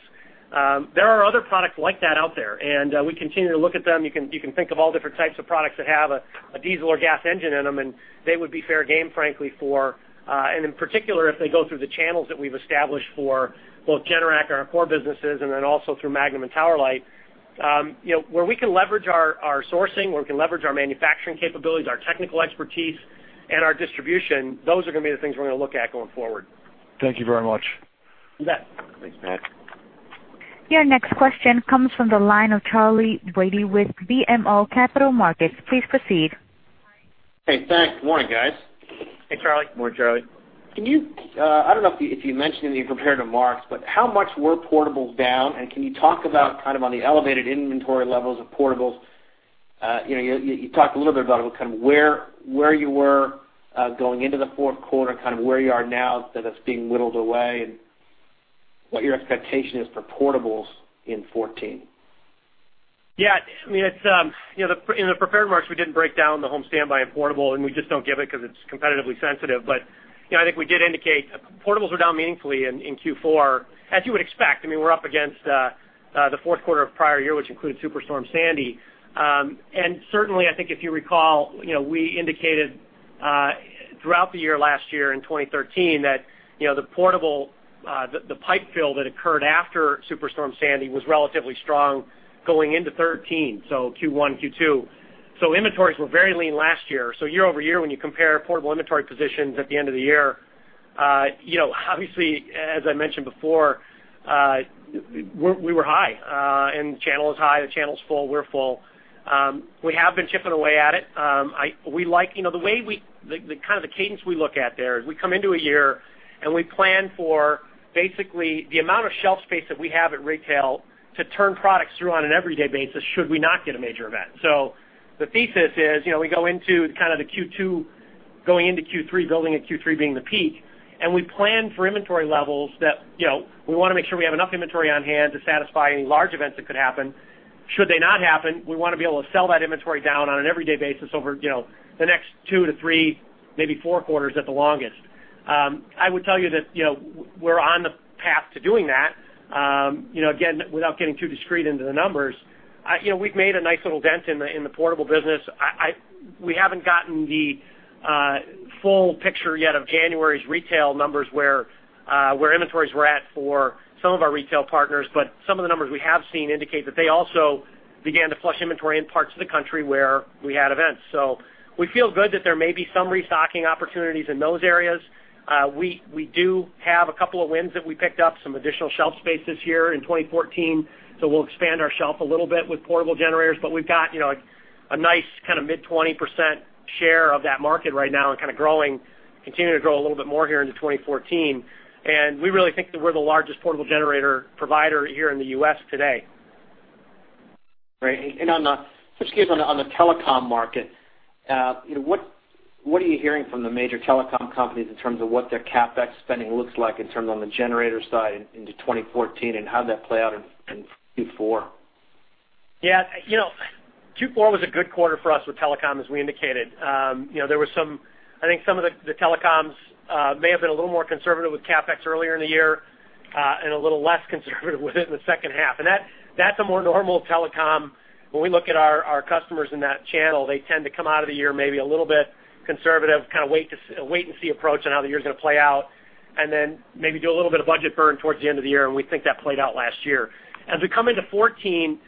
There are other products like that out there, and we continue to look at them. You can think of all different types of products that have a diesel or gas engine in them, and they would be fair game, frankly. In particular, if they go through the channels that we've established for both Generac, our core businesses, and then also through Magnum and Tower Light. Where we can leverage our sourcing, where we can leverage our manufacturing capabilities, our technical expertise, and our distribution, those are going to be the things we're going to look at going forward. Thank you very much. You bet. Thanks, Matt. Your next question comes from the line of Charlie Brady with BMO Capital Markets. Please proceed. Hey, thanks. Morning, guys. Hey, Charlie. Morning, Charlie. I don't know if you mentioned it in your prepared remarks, how much were portables down, and can you talk about kind of on the elevated inventory levels of portables? You talked a little bit about it, kind of where you were going into the fourth quarter, kind of where you are now that it's being whittled away, and what your expectation is for portables in 2014. Yeah. In the prepared remarks, we didn't break down the home standby and portable, we just don't give it because it's competitively sensitive. I think we did indicate portables were down meaningfully in Q4. As you would expect, we're up against the fourth quarter of prior year, which includes Superstorm Sandy. Certainly, I think if you recall, we indicated throughout the year last year in 2013 that the pipe fill that occurred after Superstorm Sandy was relatively strong going into 2013, Q1, Q2. Inventories were very lean last year. Year-over-year, when you compare portable inventory positions at the end of the year, obviously, as I mentioned before, we were high, and the channel is high. The channel's full. We're full. We have been chipping away at it. The cadence we look at there is we come into a year, we plan for basically the amount of shelf space that we have at retail to turn products through on an everyday basis should we not get a major event. The thesis is we go into kind of the Q2, going into Q3, building at Q3 being the peak, we plan for inventory levels that we want to make sure we have enough inventory on hand to satisfy any large events that could happen. Should they not happen, we want to be able to sell that inventory down on an everyday basis over the next two to three, maybe four quarters at the longest. I would tell you that we're on the path to doing that. Again, without getting too discreet into the numbers, we've made a nice little dent in the portable business. We haven't gotten the full picture yet of January's retail numbers where inventories were at for some of our retail partners, some of the numbers we have seen indicate that they also began to flush inventory in parts of the country where we had events. We feel good that there may be some restocking opportunities in those areas. We do have a couple of wins that we picked up, some additional shelf space this year in 2014. We'll expand our shelf a little bit with portable generators, we've got a nice kind of mid-20% share of that market right now and kind of growing, continuing to grow a little bit more here into 2014, we really think that we're the largest portable generator provider here in the U.S. today. Just on the telecom market, what are you hearing from the major telecom companies in terms of what their CapEx spending looks like in terms on the generator side into 2014 and how'd that play out in Q4? Q4 was a good quarter for us with telecom, as we indicated. I think some of the telecoms may have been a little more conservative with CapEx earlier in the year and a little less conservative with it in the second half. That's a more normal telecom. When we look at our customers in that channel, they tend to come out of the year maybe a little bit conservative, kind of wait and see approach on how the year's going to play out, and then maybe do a little bit of budget burn towards the end of the year, and we think that played out last year. As we come into 2014,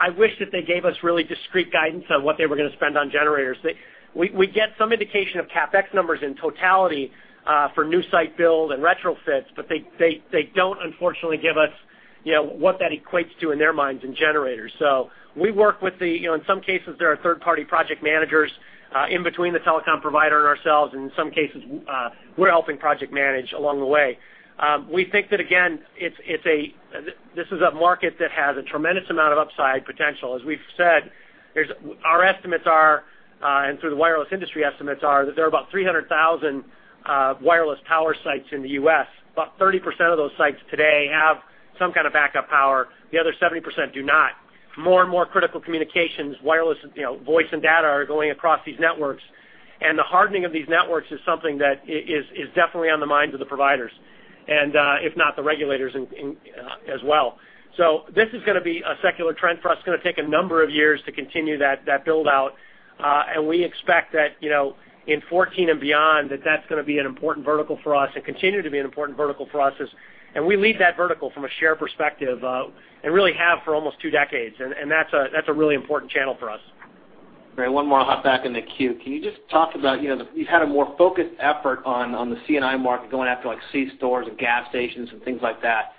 I wish that they gave us really discreet guidance on what they were going to spend on generators. We get some indication of CapEx numbers in totality for new site build and retrofits, but they don't unfortunately give us what that equates to in their minds in generators. We work with the In some cases, there are third-party project managers in between the telecom provider and ourselves, and in some cases, we're helping project manage along the way. We think that, again, this is a market that has a tremendous amount of upside potential. As we've said, our estimates are, and through the wireless industry estimates are, that there are about 300,000 wireless power sites in the U.S. About 30% of those sites today have some kind of backup power. The other 70% do not. More and more critical communications, wireless voice and data are going across these networks, and the hardening of these networks is something that is definitely on the minds of the providers, and if not the regulators as well. This is going to be a secular trend for us. It's going to take a number of years to continue that build-out. We expect that in 2014 and beyond, that that's going to be an important vertical for us and continue to be an important vertical for us. We lead that vertical from a share perspective and really have for almost two decades, and that's a really important channel for us. Great. One more. I'll hop back in the queue. You've had a more focused effort on the C&I market going after C stores and gas stations and things like that.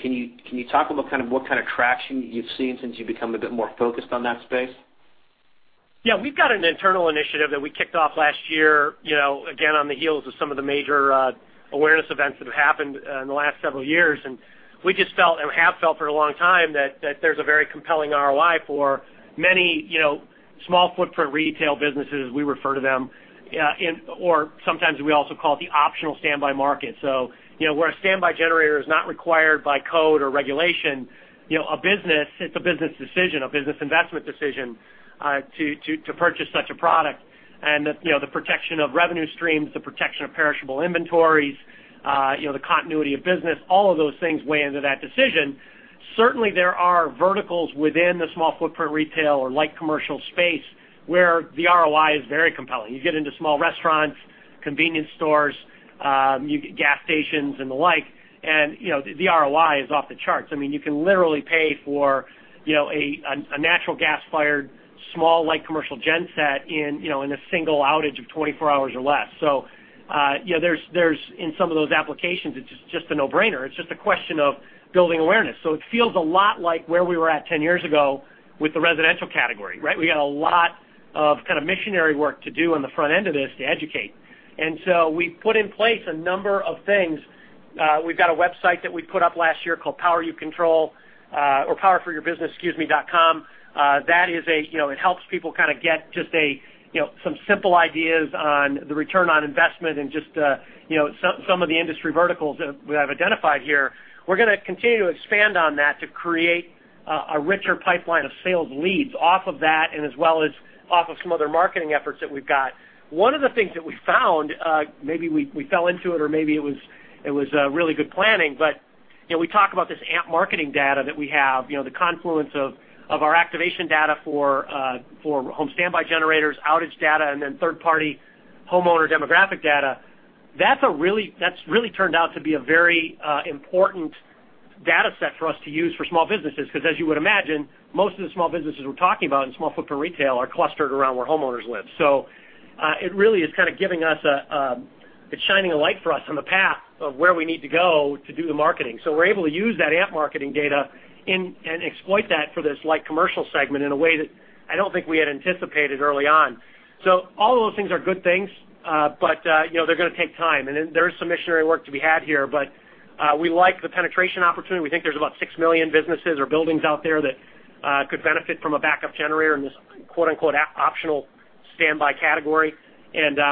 Can you talk about what kind of traction you've seen since you've become a bit more focused on that space? We've got an internal initiative that we kicked off last year, again, on the heels of some of the major awareness events that have happened in the last several years. We just felt, and have felt for a long time that, there's a very compelling ROI for many small footprint retail businesses, we refer to them. Sometimes we also call it the optional standby market. Where a standby generator is not required by code or regulation, it's a business decision, a business investment decision, to purchase such a product. The protection of revenue streams, the protection of perishable inventories, the continuity of business, all of those things weigh into that decision. Certainly, there are verticals within the small footprint retail or light commercial space where the ROI is very compelling. You get into small restaurants, convenience stores, gas stations, and the like, and the ROI is off the charts. You can literally pay for a natural gas-fired, small light commercial gen set in a single outage of 24 hours or less. In some of those applications, it's just a no-brainer. It's just a question of building awareness. It feels a lot like where we were at 10 years ago with the residential category, right? We got a lot of missionary work to do on the front end of this to educate. We put in place a number of things. We've got a website that we put up last year called Power You Control, or Power for Your Business, excuse me, powerforyourbusiness.com. It helps people get some simple ideas on the return on investment and just some of the industry verticals that we have identified here. We're going to continue to expand on that to create a richer pipeline of sales leads off of that and as well as off of some other marketing efforts that we've got. One of the things that we found, maybe we fell into it or maybe it was really good planning, we talk about this AMP marketing data that we have, the confluence of our activation data for home standby generators, outage data, and then third-party homeowner demographic data. That's really turned out to be a very important data set for us to use for small businesses, because as you would imagine, most of the small businesses we're talking about in small footprint retail are clustered around where homeowners live. It really is kind of shining a light for us on the path of where we need to go to do the marketing. We're able to use that AMP marketing data and exploit that for this light commercial segment in a way that I don't think we had anticipated early on. All of those things are good things, but they're going to take time, and there is some missionary work to be had here, but we like the penetration opportunity. We think there's about 6 million businesses or buildings out there that could benefit from a backup generator in this, quote-unquote, optional standby category.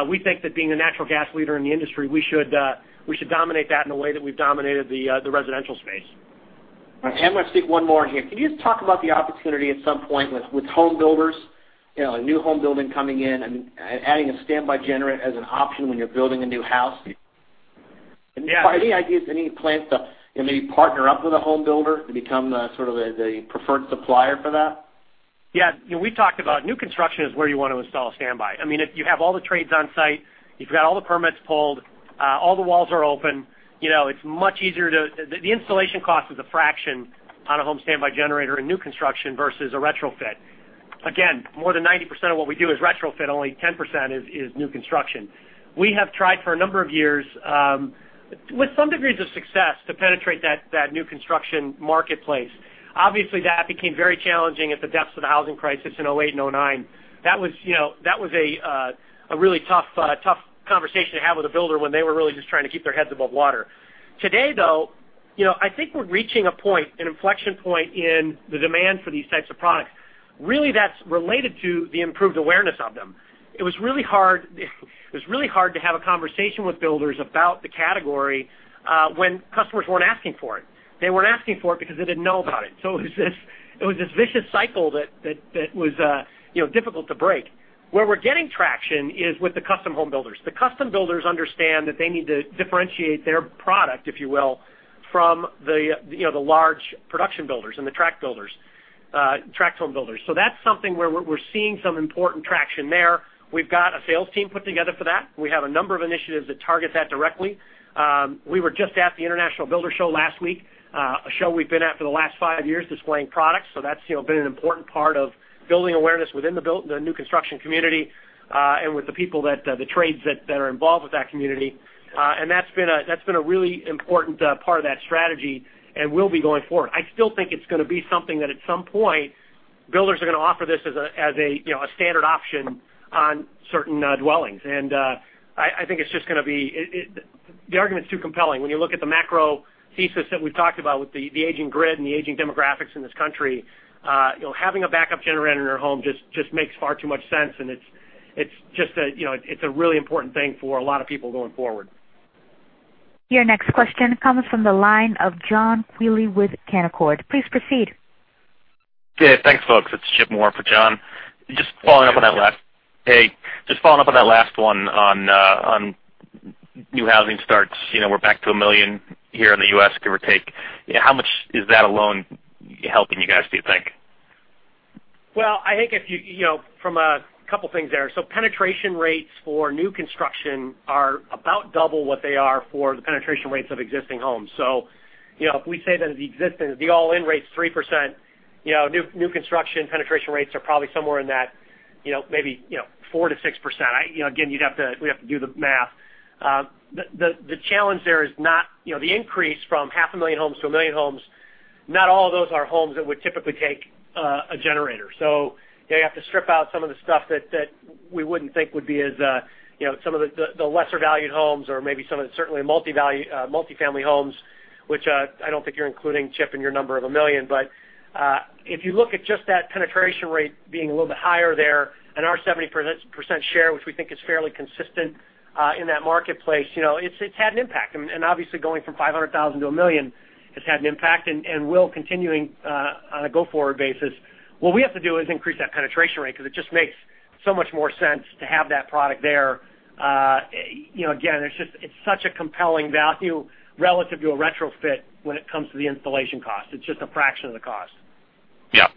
We think that being the natural gas leader in the industry, we should dominate that in a way that we've dominated the residential space. All right. I'm going to sneak one more in here. Can you just talk about the opportunity at some point with home builders? A new home building coming in and adding a home standby generator as an option when you're building a new house. Yeah. Any ideas, any plans to maybe partner up with a home builder to become sort of the preferred supplier for that? Yeah. We talked about new construction is where you want to install a home standby generator. If you have all the trades on site, you've got all the permits pulled, all the walls are open. The installation cost is a fraction on a home standby generator in new construction versus a retrofit. Again, more than 90% of what we do is retrofit. Only 10% is new construction. We have tried for a number of years, with some degrees of success, to penetrate that new construction marketplace. Obviously, that became very challenging at the depths of the housing crisis in 2008 and 2009. That was a really tough conversation to have with a builder when they were really just trying to keep their heads above water. Today, though, I think we're reaching a point, an inflection point in the demand for these types of products. That's related to the improved awareness of them. It was really hard to have a conversation with builders about the category when customers weren't asking for it. They weren't asking for it because they didn't know about it. It was this vicious cycle that was difficult to break. Where we're getting traction is with the custom home builders. The custom builders understand that they need to differentiate their product, if you will, from the large production builders and the track builders, track home builders. That's something where we're seeing some important traction there. We've got a sales team put together for that. We have a number of initiatives that target that directly. We were just at the International Builders' Show last week, a show we've been at for the last five years displaying products. That's been an important part of building awareness within the new construction community, and with the people that, the trades that are involved with that community. That's been a really important part of that strategy and will be going forward. I still think it's going to be something that at some point, builders are going to offer this as a standard option on certain dwellings. I think it's just going to be. The argument's too compelling. When you look at the macro thesis that we've talked about with the aging grid and the aging demographics in this country, having a backup generator in your home just makes far too much sense, and it's a really important thing for a lot of people going forward. Your next question comes from the line of John Quealy with Canaccord. Please proceed. Yeah, thanks, folks. It's Chip Moore for John. Just following up on that last- Hey. Hey. Just following up on that last one on new housing starts. We're back to a million here in the U.S., give or take. How much is that alone helping you guys, do you think? I think from a couple of things there. Penetration rates for new construction are about double what they are for the penetration rates of existing homes. If we say that the existing, the all-in rate's 3%, new construction penetration rates are probably somewhere in that 4%-6%. Again, we have to do the math. The challenge there is the increase from half a million homes to a million homes, not all of those are homes that would typically take a generator. You have to strip out some of the stuff that we wouldn't think would be some of the lesser valued homes or maybe certainly multi-family homes, which I don't think you're including, Chip, in your number of a million. If you look at just that penetration rate being a little bit higher there and our 70% share, which we think is fairly consistent in that marketplace, it's had an impact. Obviously, going from 500,000 to a million has had an impact and will continuing on a go-forward basis. What we have to do is increase that penetration rate because it just makes so much more sense to have that product there. Again, it's such a compelling value relative to a retrofit when it comes to the installation cost. It's just a fraction of the cost. Yeah.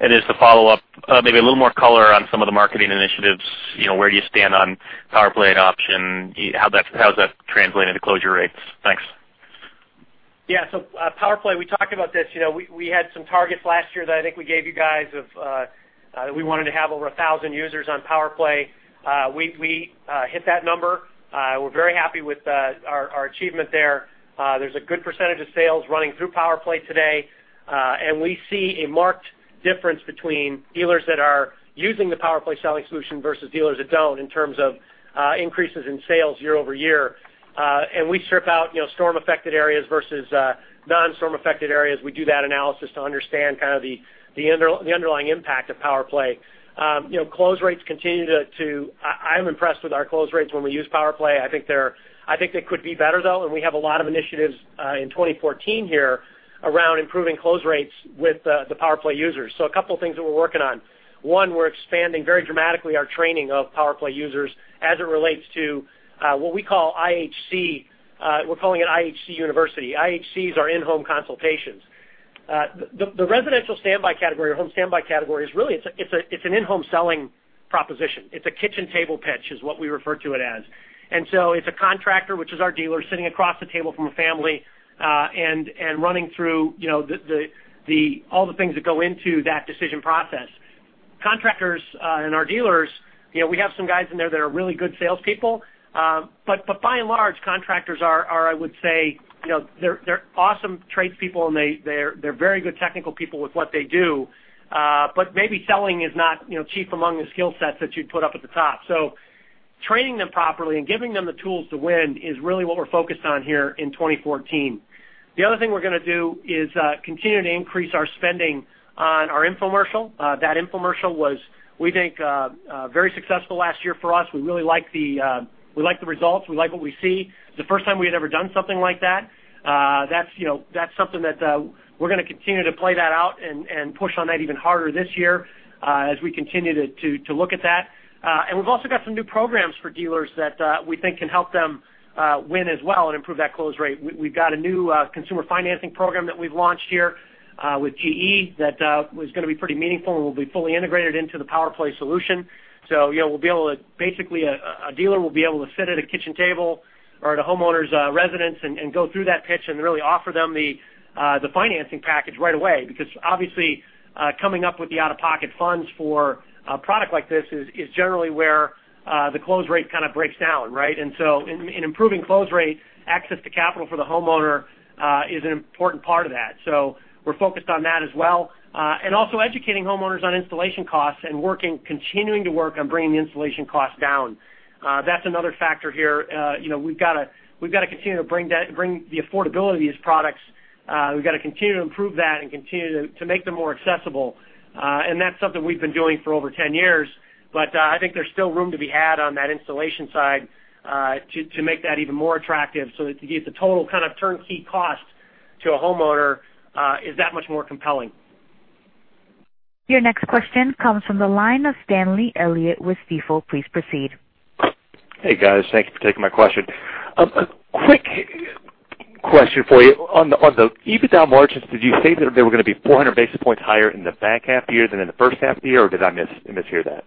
As the follow-up, maybe a little more color on some of the marketing initiatives. Where do you stand on PowerPlay and adoption? How does that translate into closure rates? Thanks. PowerPlay, we talked about this. We had some targets last year that I think we gave you guys of we wanted to have over 1,000 users on PowerPlay. We hit that number. We're very happy with our achievement there. There's a good percentage of sales running through PowerPlay today. We see a marked difference between dealers that are using the PowerPlay selling solution versus dealers that don't in terms of increases in sales year-over-year. We strip out storm-affected areas versus non-storm affected areas. We do that analysis to understand kind of the underlying impact of PowerPlay. I'm impressed with our close rates when we use PowerPlay. I think they could be better, though, and we have a lot of initiatives in 2014 here around improving close rates with the PowerPlay users. A couple of things that we're working on. One, we're expanding very dramatically our training of PowerPlay users as it relates to what we call IHC. We're calling it IHC University. IHCs are in-home consultations. The residential standby category or home standby category is really an in-home selling proposition. It's a kitchen table pitch, is what we refer to it as. It's a contractor, which is our dealer, sitting across the table from a family and running through all the things that go into that decision process. Contractors and our dealers, we have some guys in there that are really good salespeople. By and large, contractors are, I would say, they're awesome tradespeople, and they're very good technical people with what they do. Maybe selling is not chief among the skill sets that you'd put up at the top. Training them properly and giving them the tools to win is really what we're focused on here in 2014. The other thing we're going to do is continue to increase our spending on our infomercial. That infomercial was, we think, very successful last year for us. We really like the results. We like what we see. The first time we had ever done something like that. That's something that we're going to continue to play that out and push on that even harder this year as we continue to look at that. We've also got some new programs for dealers that we think can help them win as well and improve that close rate. We've got a new consumer financing program that we've launched here with GE that was going to be pretty meaningful and will be fully integrated into the PowerPlay solution. Basically, a dealer will be able to sit at a kitchen table or at a homeowner's residence and go through that pitch and really offer them the financing package right away. Obviously, coming up with the out-of-pocket funds for a product like this is generally where the close rate kind of breaks down, right? In improving close rate, access to capital for the homeowner is an important part of that. We're focused on that as well. Also educating homeowners on installation costs and continuing to work on bringing the installation cost down. That's another factor here. We've got to continue to bring the affordability of these products. We've got to continue to improve that and continue to make them more accessible. That's something we've been doing for over 10 years. I think there's still room to be had on that installation side to make that even more attractive so that the total kind of turnkey cost to a homeowner is that much more compelling. Your next question comes from the line of Stanley Elliott with Stifel. Please proceed. Hey, guys. Thank you for taking my question. A quick question for you. On the EBITDA margins, did you say that they were going to be 400 basis points higher in the back half of the year than in the first half of the year, or did I mishear that?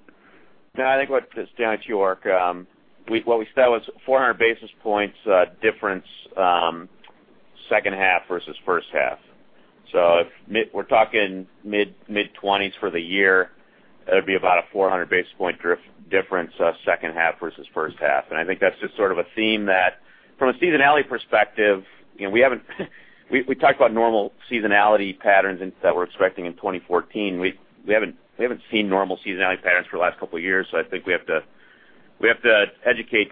I think This is York Ragen. What we said was 400 basis points difference second half versus first half. If we're talking mid-20s for the year, that'd be about a 400 basis point difference second half versus first half. I think that's just sort of a theme that from a seasonality perspective, we talked about normal seasonality patterns that we're expecting in 2014. We haven't seen normal seasonality patterns for the last couple of years. I think we have to educate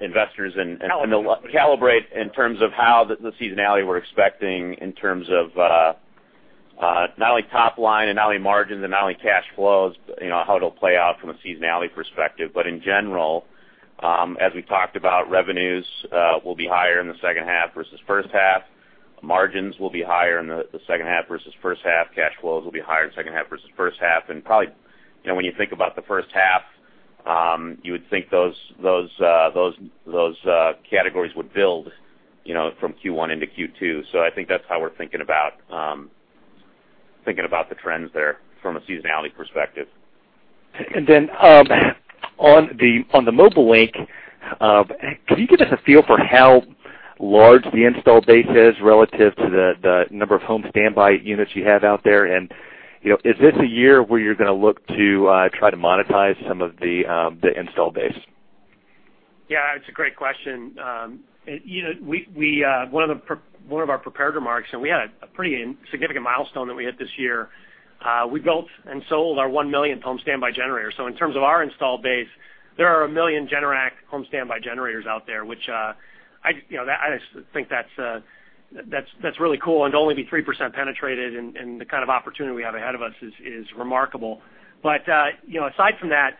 investors and calibrate in terms of how the seasonality we're expecting in terms of not only top line and not only margins and not only cash flows, how it'll play out from a seasonality perspective. In general, as we talked about, revenues will be higher in the second half versus first half. Margins will be higher in the second half versus first half. Cash flows will be higher in the second half versus first half. Probably, when you think about the first half, you would think those categories would build from Q1 into Q2. I think that's how we're thinking about the trends there from a seasonality perspective. On the Mobile Link, can you give us a feel for how large the install base is relative to the number of home standby units you have out there. Is this a year where you're going to look to try to monetize some of the install base? Yeah. It's a great question. One of our prepared remarks, we had a pretty significant milestone that we hit this year. We built and sold our 1 million home standby generator. In terms of our installed base, there are 1 million Generac home standby generators out there, which I think that's really cool. To only be 3% penetrated and the kind of opportunity we have ahead of us is remarkable. Aside from that,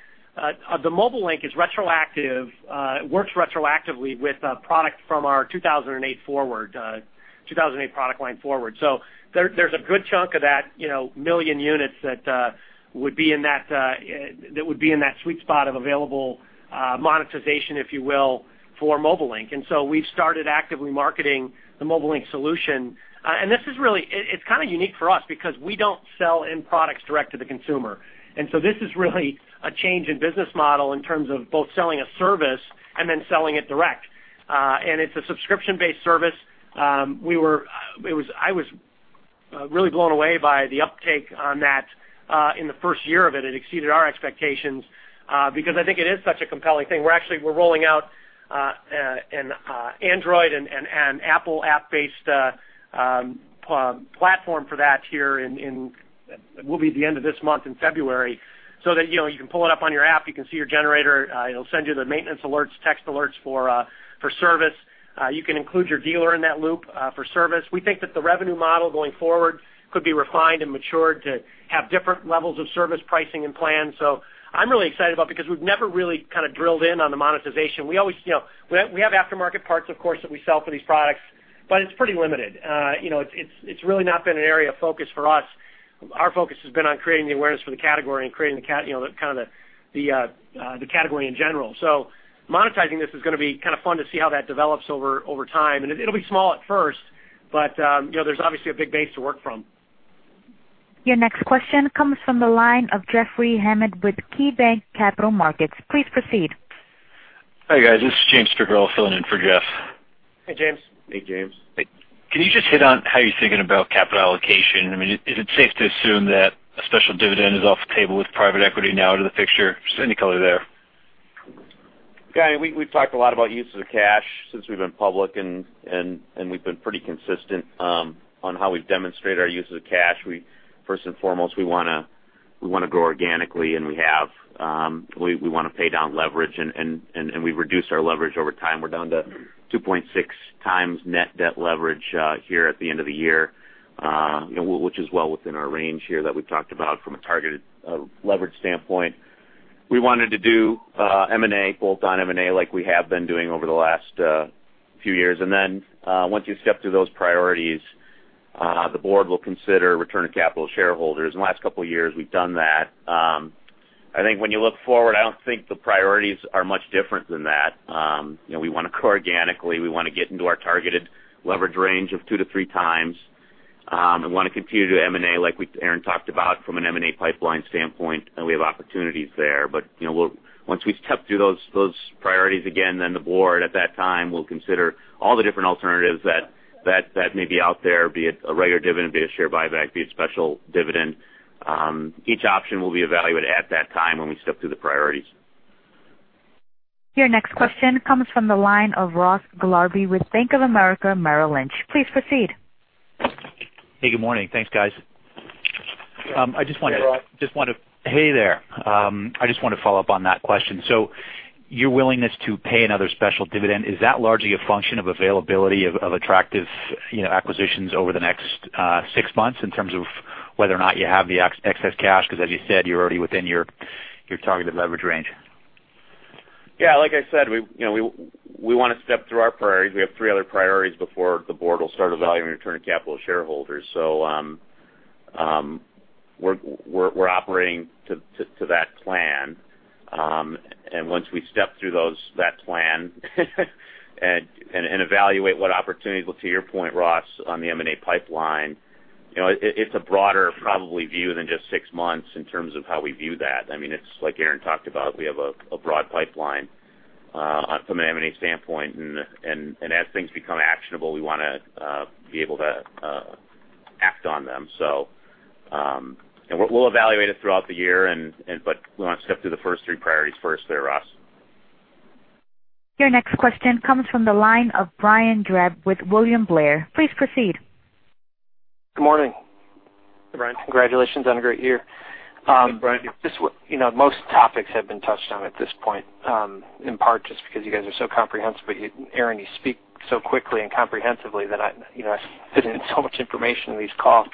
the Mobile Link is retroactive. It works retroactively with a product from our 2008 product line forward. There's a good chunk of that 1 million units that would be in that sweet spot of available monetization, if you will, for Mobile Link. We've started actively marketing the Mobile Link solution. It's kind of unique for us because we don't sell end products direct to the consumer. This is really a change in business model in terms of both selling a service and then selling it direct. It's a subscription-based service. I was really blown away by the uptake on that in the first year of it. It exceeded our expectations, because I think it is such a compelling thing. We're rolling out an Android and Apple app-based platform for that here in, it will be at the end of this month, in February, so that you can pull it up on your app, you can see your generator, it'll send you the maintenance alerts, text alerts for service. You can include your dealer in that loop for service. We think that the revenue model going forward could be refined and matured to have different levels of service pricing and plans. I'm really excited about it because we've never really kind of drilled in on the monetization. We have aftermarket parts, of course, that we sell for these products, but it's pretty limited. It's really not been an area of focus for us. Our focus has been on creating the awareness for the category and creating the category in general. Monetizing this is going to be kind of fun to see how that develops over time. It'll be small at first, but there's obviously a big base to work from. Your next question comes from the line of Jeffrey Hammond with KeyBanc Capital Markets. Please proceed. Hi, guys. This is James Schumm filling in for Jeffrey. Hey, James. Hey, James. Can you just hit on how you're thinking about capital allocation? Is it safe to assume that a special dividend is off the table with private equity now out of the picture? Just any color there. Guy, we've talked a lot about uses of cash since we've been public. We've been pretty consistent on how we've demonstrated our uses of cash. First and foremost, we want to grow organically. We want to pay down leverage. We've reduced our leverage over time. We're down to 2.6x net debt leverage here at the end of the year, which is well within our range here that we've talked about from a targeted leverage standpoint. We wanted to do M&A, bolt-on M&A like we have been doing over the last few years. Once you step through those priorities, the board will consider returning capital to shareholders. In the last couple of years, we've done that. I think when you look forward, I don't think the priorities are much different than that. We want to grow organically. We want to get into our targeted leverage range of two to three times. We want to continue to do M&A, like Aaron talked about from an M&A pipeline standpoint, and we have opportunities there. Once we step through those priorities again, then the board at that time will consider all the different alternatives that may be out there, be it a regular dividend, be it a share buyback, be it special dividend. Each option will be evaluated at that time when we step through the priorities. Your next question comes from the line of Ross Gilardi with Bank of America Merrill Lynch. Please proceed. Hey, good morning. Thanks, guys. Hey, Ross. Hey there. I just want to follow up on that question. Your willingness to pay another special dividend, is that largely a function of availability of attractive acquisitions over the next six months in terms of whether or not you have the excess cash? Because as you said, you're already within your targeted leverage range. Yeah, like I said, we want to step through our priorities. We have three other priorities before the board will start evaluating returning capital to shareholders. We're operating to that plan. Once we step through that plan and evaluate what opportunities, to your point, Ross, on the M&A pipeline, it's a broader, probably view than just six months in terms of how we view that. It's like Aaron talked about. We have a broad pipeline from an M&A standpoint. As things become actionable, we want to be able to act on them. We'll evaluate it throughout the year, but we want to step through the first three priorities first there, Ross. Your next question comes from the line of Brian Drab with William Blair. Please proceed. Good morning. Hey, Brian. Congratulations on a great year. Hey, Brian. Most topics have been touched on at this point, in part just because you guys are so comprehensive. Aaron, you speak so quickly and comprehensively that I sit in so much information in these calls.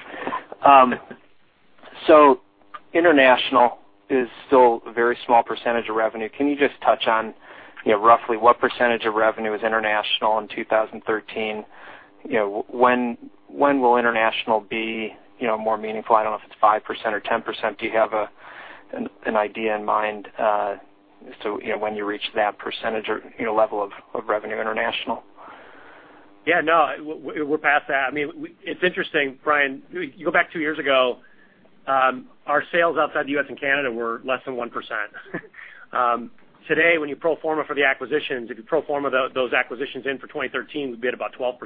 International is still a very small percentage of revenue. Can you just touch on roughly what percentage of revenue is international in 2013? When will international be more meaningful? I don't know if it's 5%-10%. Do you have an idea in mind when you reach that percentage or level of revenue international? Yeah, no, we're past that. It's interesting, Brian. You go back two years ago. Our sales outside the U.S. and Canada were less than 1%. Today, when you pro forma for the acquisitions, if you pro forma those acquisitions in for 2013, we'd be at about 12%.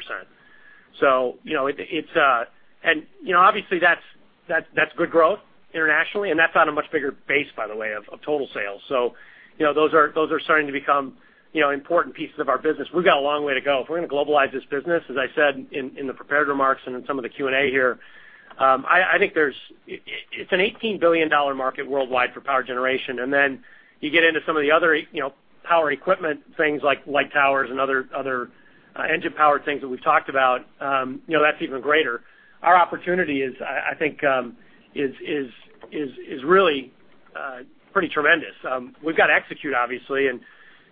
Obviously, that's good growth internationally, and that's on a much bigger base, by the way, of total sales. Those are starting to become important pieces of our business. We've got a long way to go. If we're going to globalize this business, as I said in the prepared remarks and in some of the Q&A here, it's an $18 billion market worldwide for power generation. Then you get into some of the other power equipment things like light towers and other engine-powered things that we've talked about, that's even greater. Our opportunity, I think, is really pretty tremendous. We've got to execute, obviously, and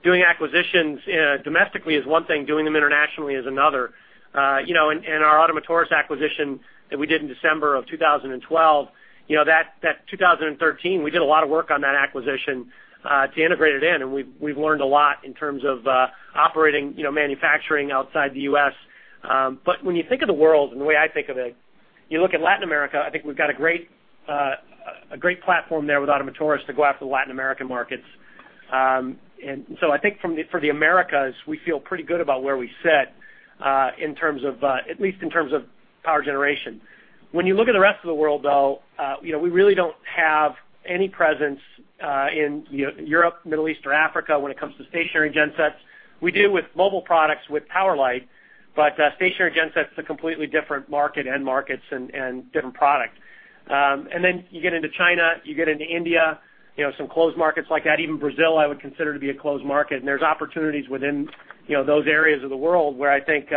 doing acquisitions domestically is one thing, doing them internationally is another. In our Ottomotores acquisition that we did in December of 2012, 2013, we did a lot of work on that acquisition to integrate it in, and we've learned a lot in terms of operating manufacturing outside the U.S. When you think of the world and the way I think of it, you look at Latin America, I think we've got a great platform there with Ottomotores to go after the Latin American markets. I think for the Americas, we feel pretty good about where we sit, at least in terms of power generation. When you look at the rest of the world, though, we really don't have any presence in Europe, Middle East, or Africa when it comes to stationary gensets. We do with mobile products with Tower Light, but stationary genset's a completely different market, end markets, and different product. Then you get into China, you get into India, some closed markets like that. Even Brazil, I would consider to be a closed market. There's opportunities within those areas of the world where I think,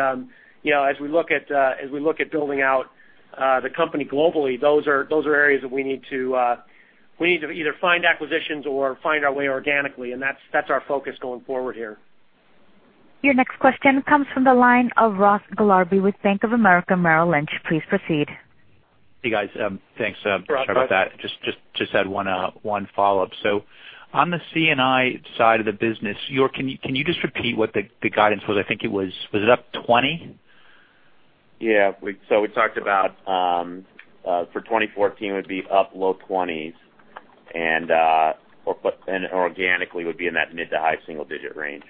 as we look at building out the company globally, those are areas that we need to either find acquisitions or find our way organically, and that's our focus going forward here. Your next question comes from the line of Ross Gilardi with Bank of America Merrill Lynch. Please proceed. Hey, guys. Thanks for that. Just had one follow-up. On the C&I side of the business, can you just repeat what the guidance was? I think it was up 20? Yeah. We talked about, for 2014 would be up low 20s, and organically would be in that mid to high single-digit range.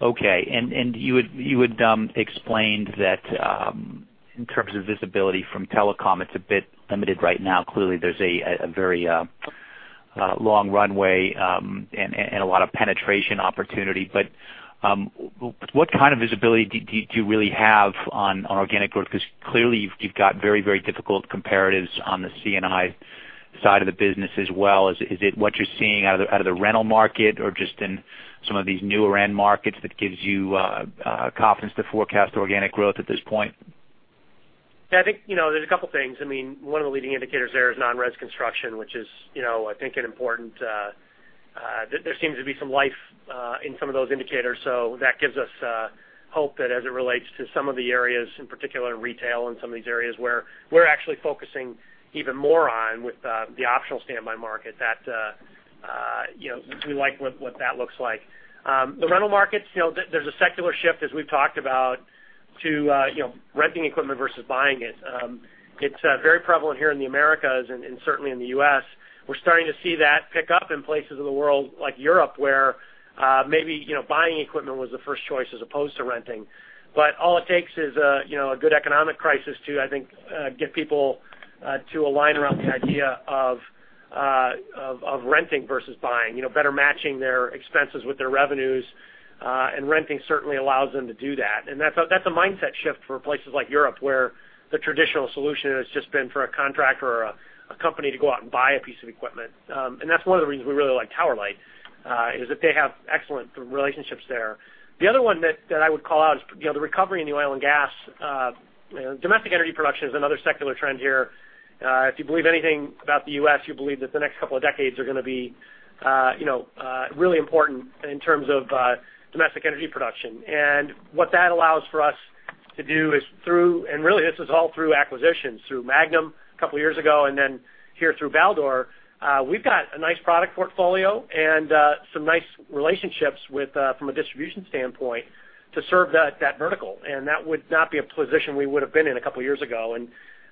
Okay. You had explained that in terms of visibility from telecom, it's a bit limited right now. Clearly, there's a very long runway and a lot of penetration opportunity. What kind of visibility do you really have on organic growth? Clearly you've got very difficult comparatives on the C&I side of the business as well. Is it what you're seeing out of the rental market or just in some of these newer end markets that gives you confidence to forecast organic growth at this point? Yeah, I think there's a couple things. One of the leading indicators there is non-res construction, which is, I think. There seems to be some life in some of those indicators. That gives us hope that as it relates to some of the areas, in particular retail and some of these areas where we're actually focusing even more on with the optional standby market, that we like what that looks like. The rental markets, there's a secular shift, as we've talked about, to renting equipment versus buying it. It's very prevalent here in the Americas and certainly in the U.S. We're starting to see that pick up in places in the world like Europe, where maybe buying equipment was the first choice as opposed to renting. All it takes is a good economic crisis to, I think, get people to align around the idea of renting versus buying. Better matching their expenses with their revenues, renting certainly allows them to do that. That's a mindset shift for places like Europe, where the traditional solution has just been for a contractor or a company to go out and buy a piece of equipment. That's one of the reasons we really like Tower Light, is that they have excellent relationships there. The other one that I would call out is the recovery in the oil and gas. Domestic energy production is another secular trend here. If you believe anything about the U.S., you believe that the next couple of decades are going to be really important in terms of domestic energy production. What that allows for us to do is through, this is all through acquisitions, through Magnum a couple of years ago, then here through Baldor. We've got a nice product portfolio and some nice relationships from a distribution standpoint to serve that vertical, that would not be a position we would've been in a couple of years ago.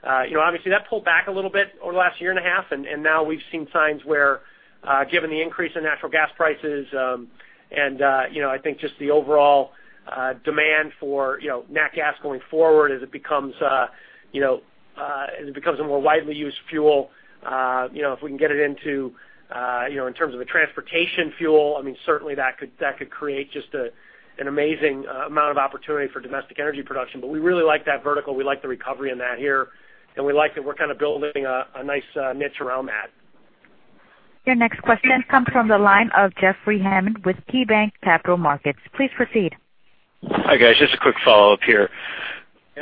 Obviously, that pulled back a little bit over the last year and a half, now we've seen signs where, given the increase in natural gas prices, I think just the overall demand for nat gas going forward as it becomes a more widely used fuel. If we can get it in terms of a transportation fuel, certainly that could create just an amazing amount of opportunity for domestic energy production. We really like that vertical. We like the recovery in that here, we like that we're kind of building a nice niche around that. Your next question comes from the line of Jeffrey Hammond with KeyBanc Capital Markets. Please proceed. Hi, guys. Just a quick follow-up here.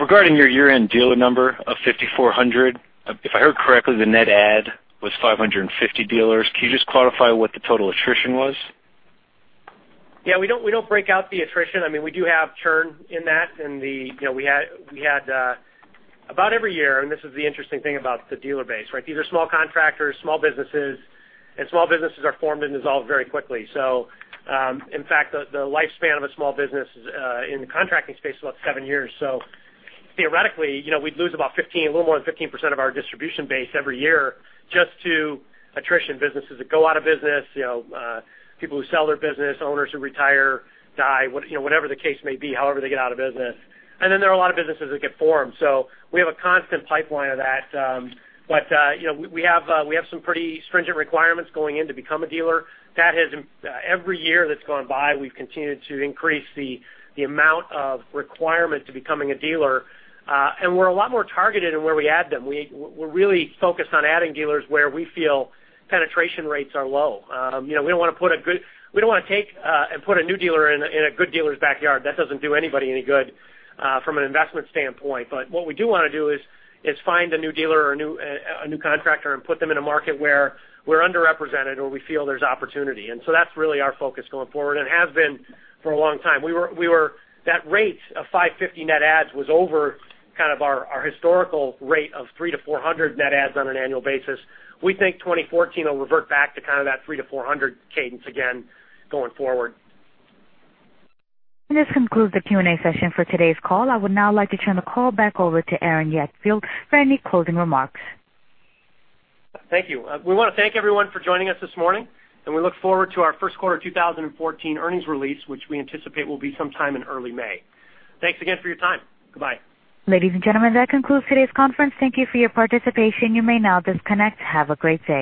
Regarding your year-end dealer number of 5,400, if I heard correctly, the net add was 550 dealers. Can you just clarify what the total attrition was? Yeah, we don't break out the attrition. We do have churn in that. About every year, and this is the interesting thing about the dealer base, these are small contractors, small businesses, and small businesses are formed and dissolved very quickly. In fact, the lifespan of a small business in the contracting space is about seven years. Theoretically, we'd lose about a little more than 15% of our distribution base every year just to attrition. Businesses that go out of business, people who sell their business, owners who retire, die, whatever the case may be, however they get out of business. There are a lot of businesses that get formed. We have a constant pipeline of that. We have some pretty stringent requirements going in to become a dealer. Every year that's gone by, we've continued to increase the amount of requirement to becoming a dealer. We're a lot more targeted in where we add them. We're really focused on adding dealers where we feel penetration rates are low. We don't want to take and put a new dealer in a good dealer's backyard. That doesn't do anybody any good from an investment standpoint. What we do want to do is find a new dealer or a new contractor and put them in a market where we're underrepresented or we feel there's opportunity. That's really our focus going forward and has been for a long time. That rate of 550 net adds was over kind of our historical rate of 300 to 400 net adds on an annual basis. We think 2014 will revert back to kind of that 300 to 400 cadence again going forward. This concludes the Q&A session for today's call. I would now like to turn the call back over to Aaron Jagdfeld for any closing remarks. Thank you. We want to thank everyone for joining us this morning, and we look forward to our first quarter 2014 earnings release, which we anticipate will be sometime in early May. Thanks again for your time. Goodbye. Ladies and gentlemen, that concludes today's conference. Thank you for your participation. You may now disconnect. Have a great day.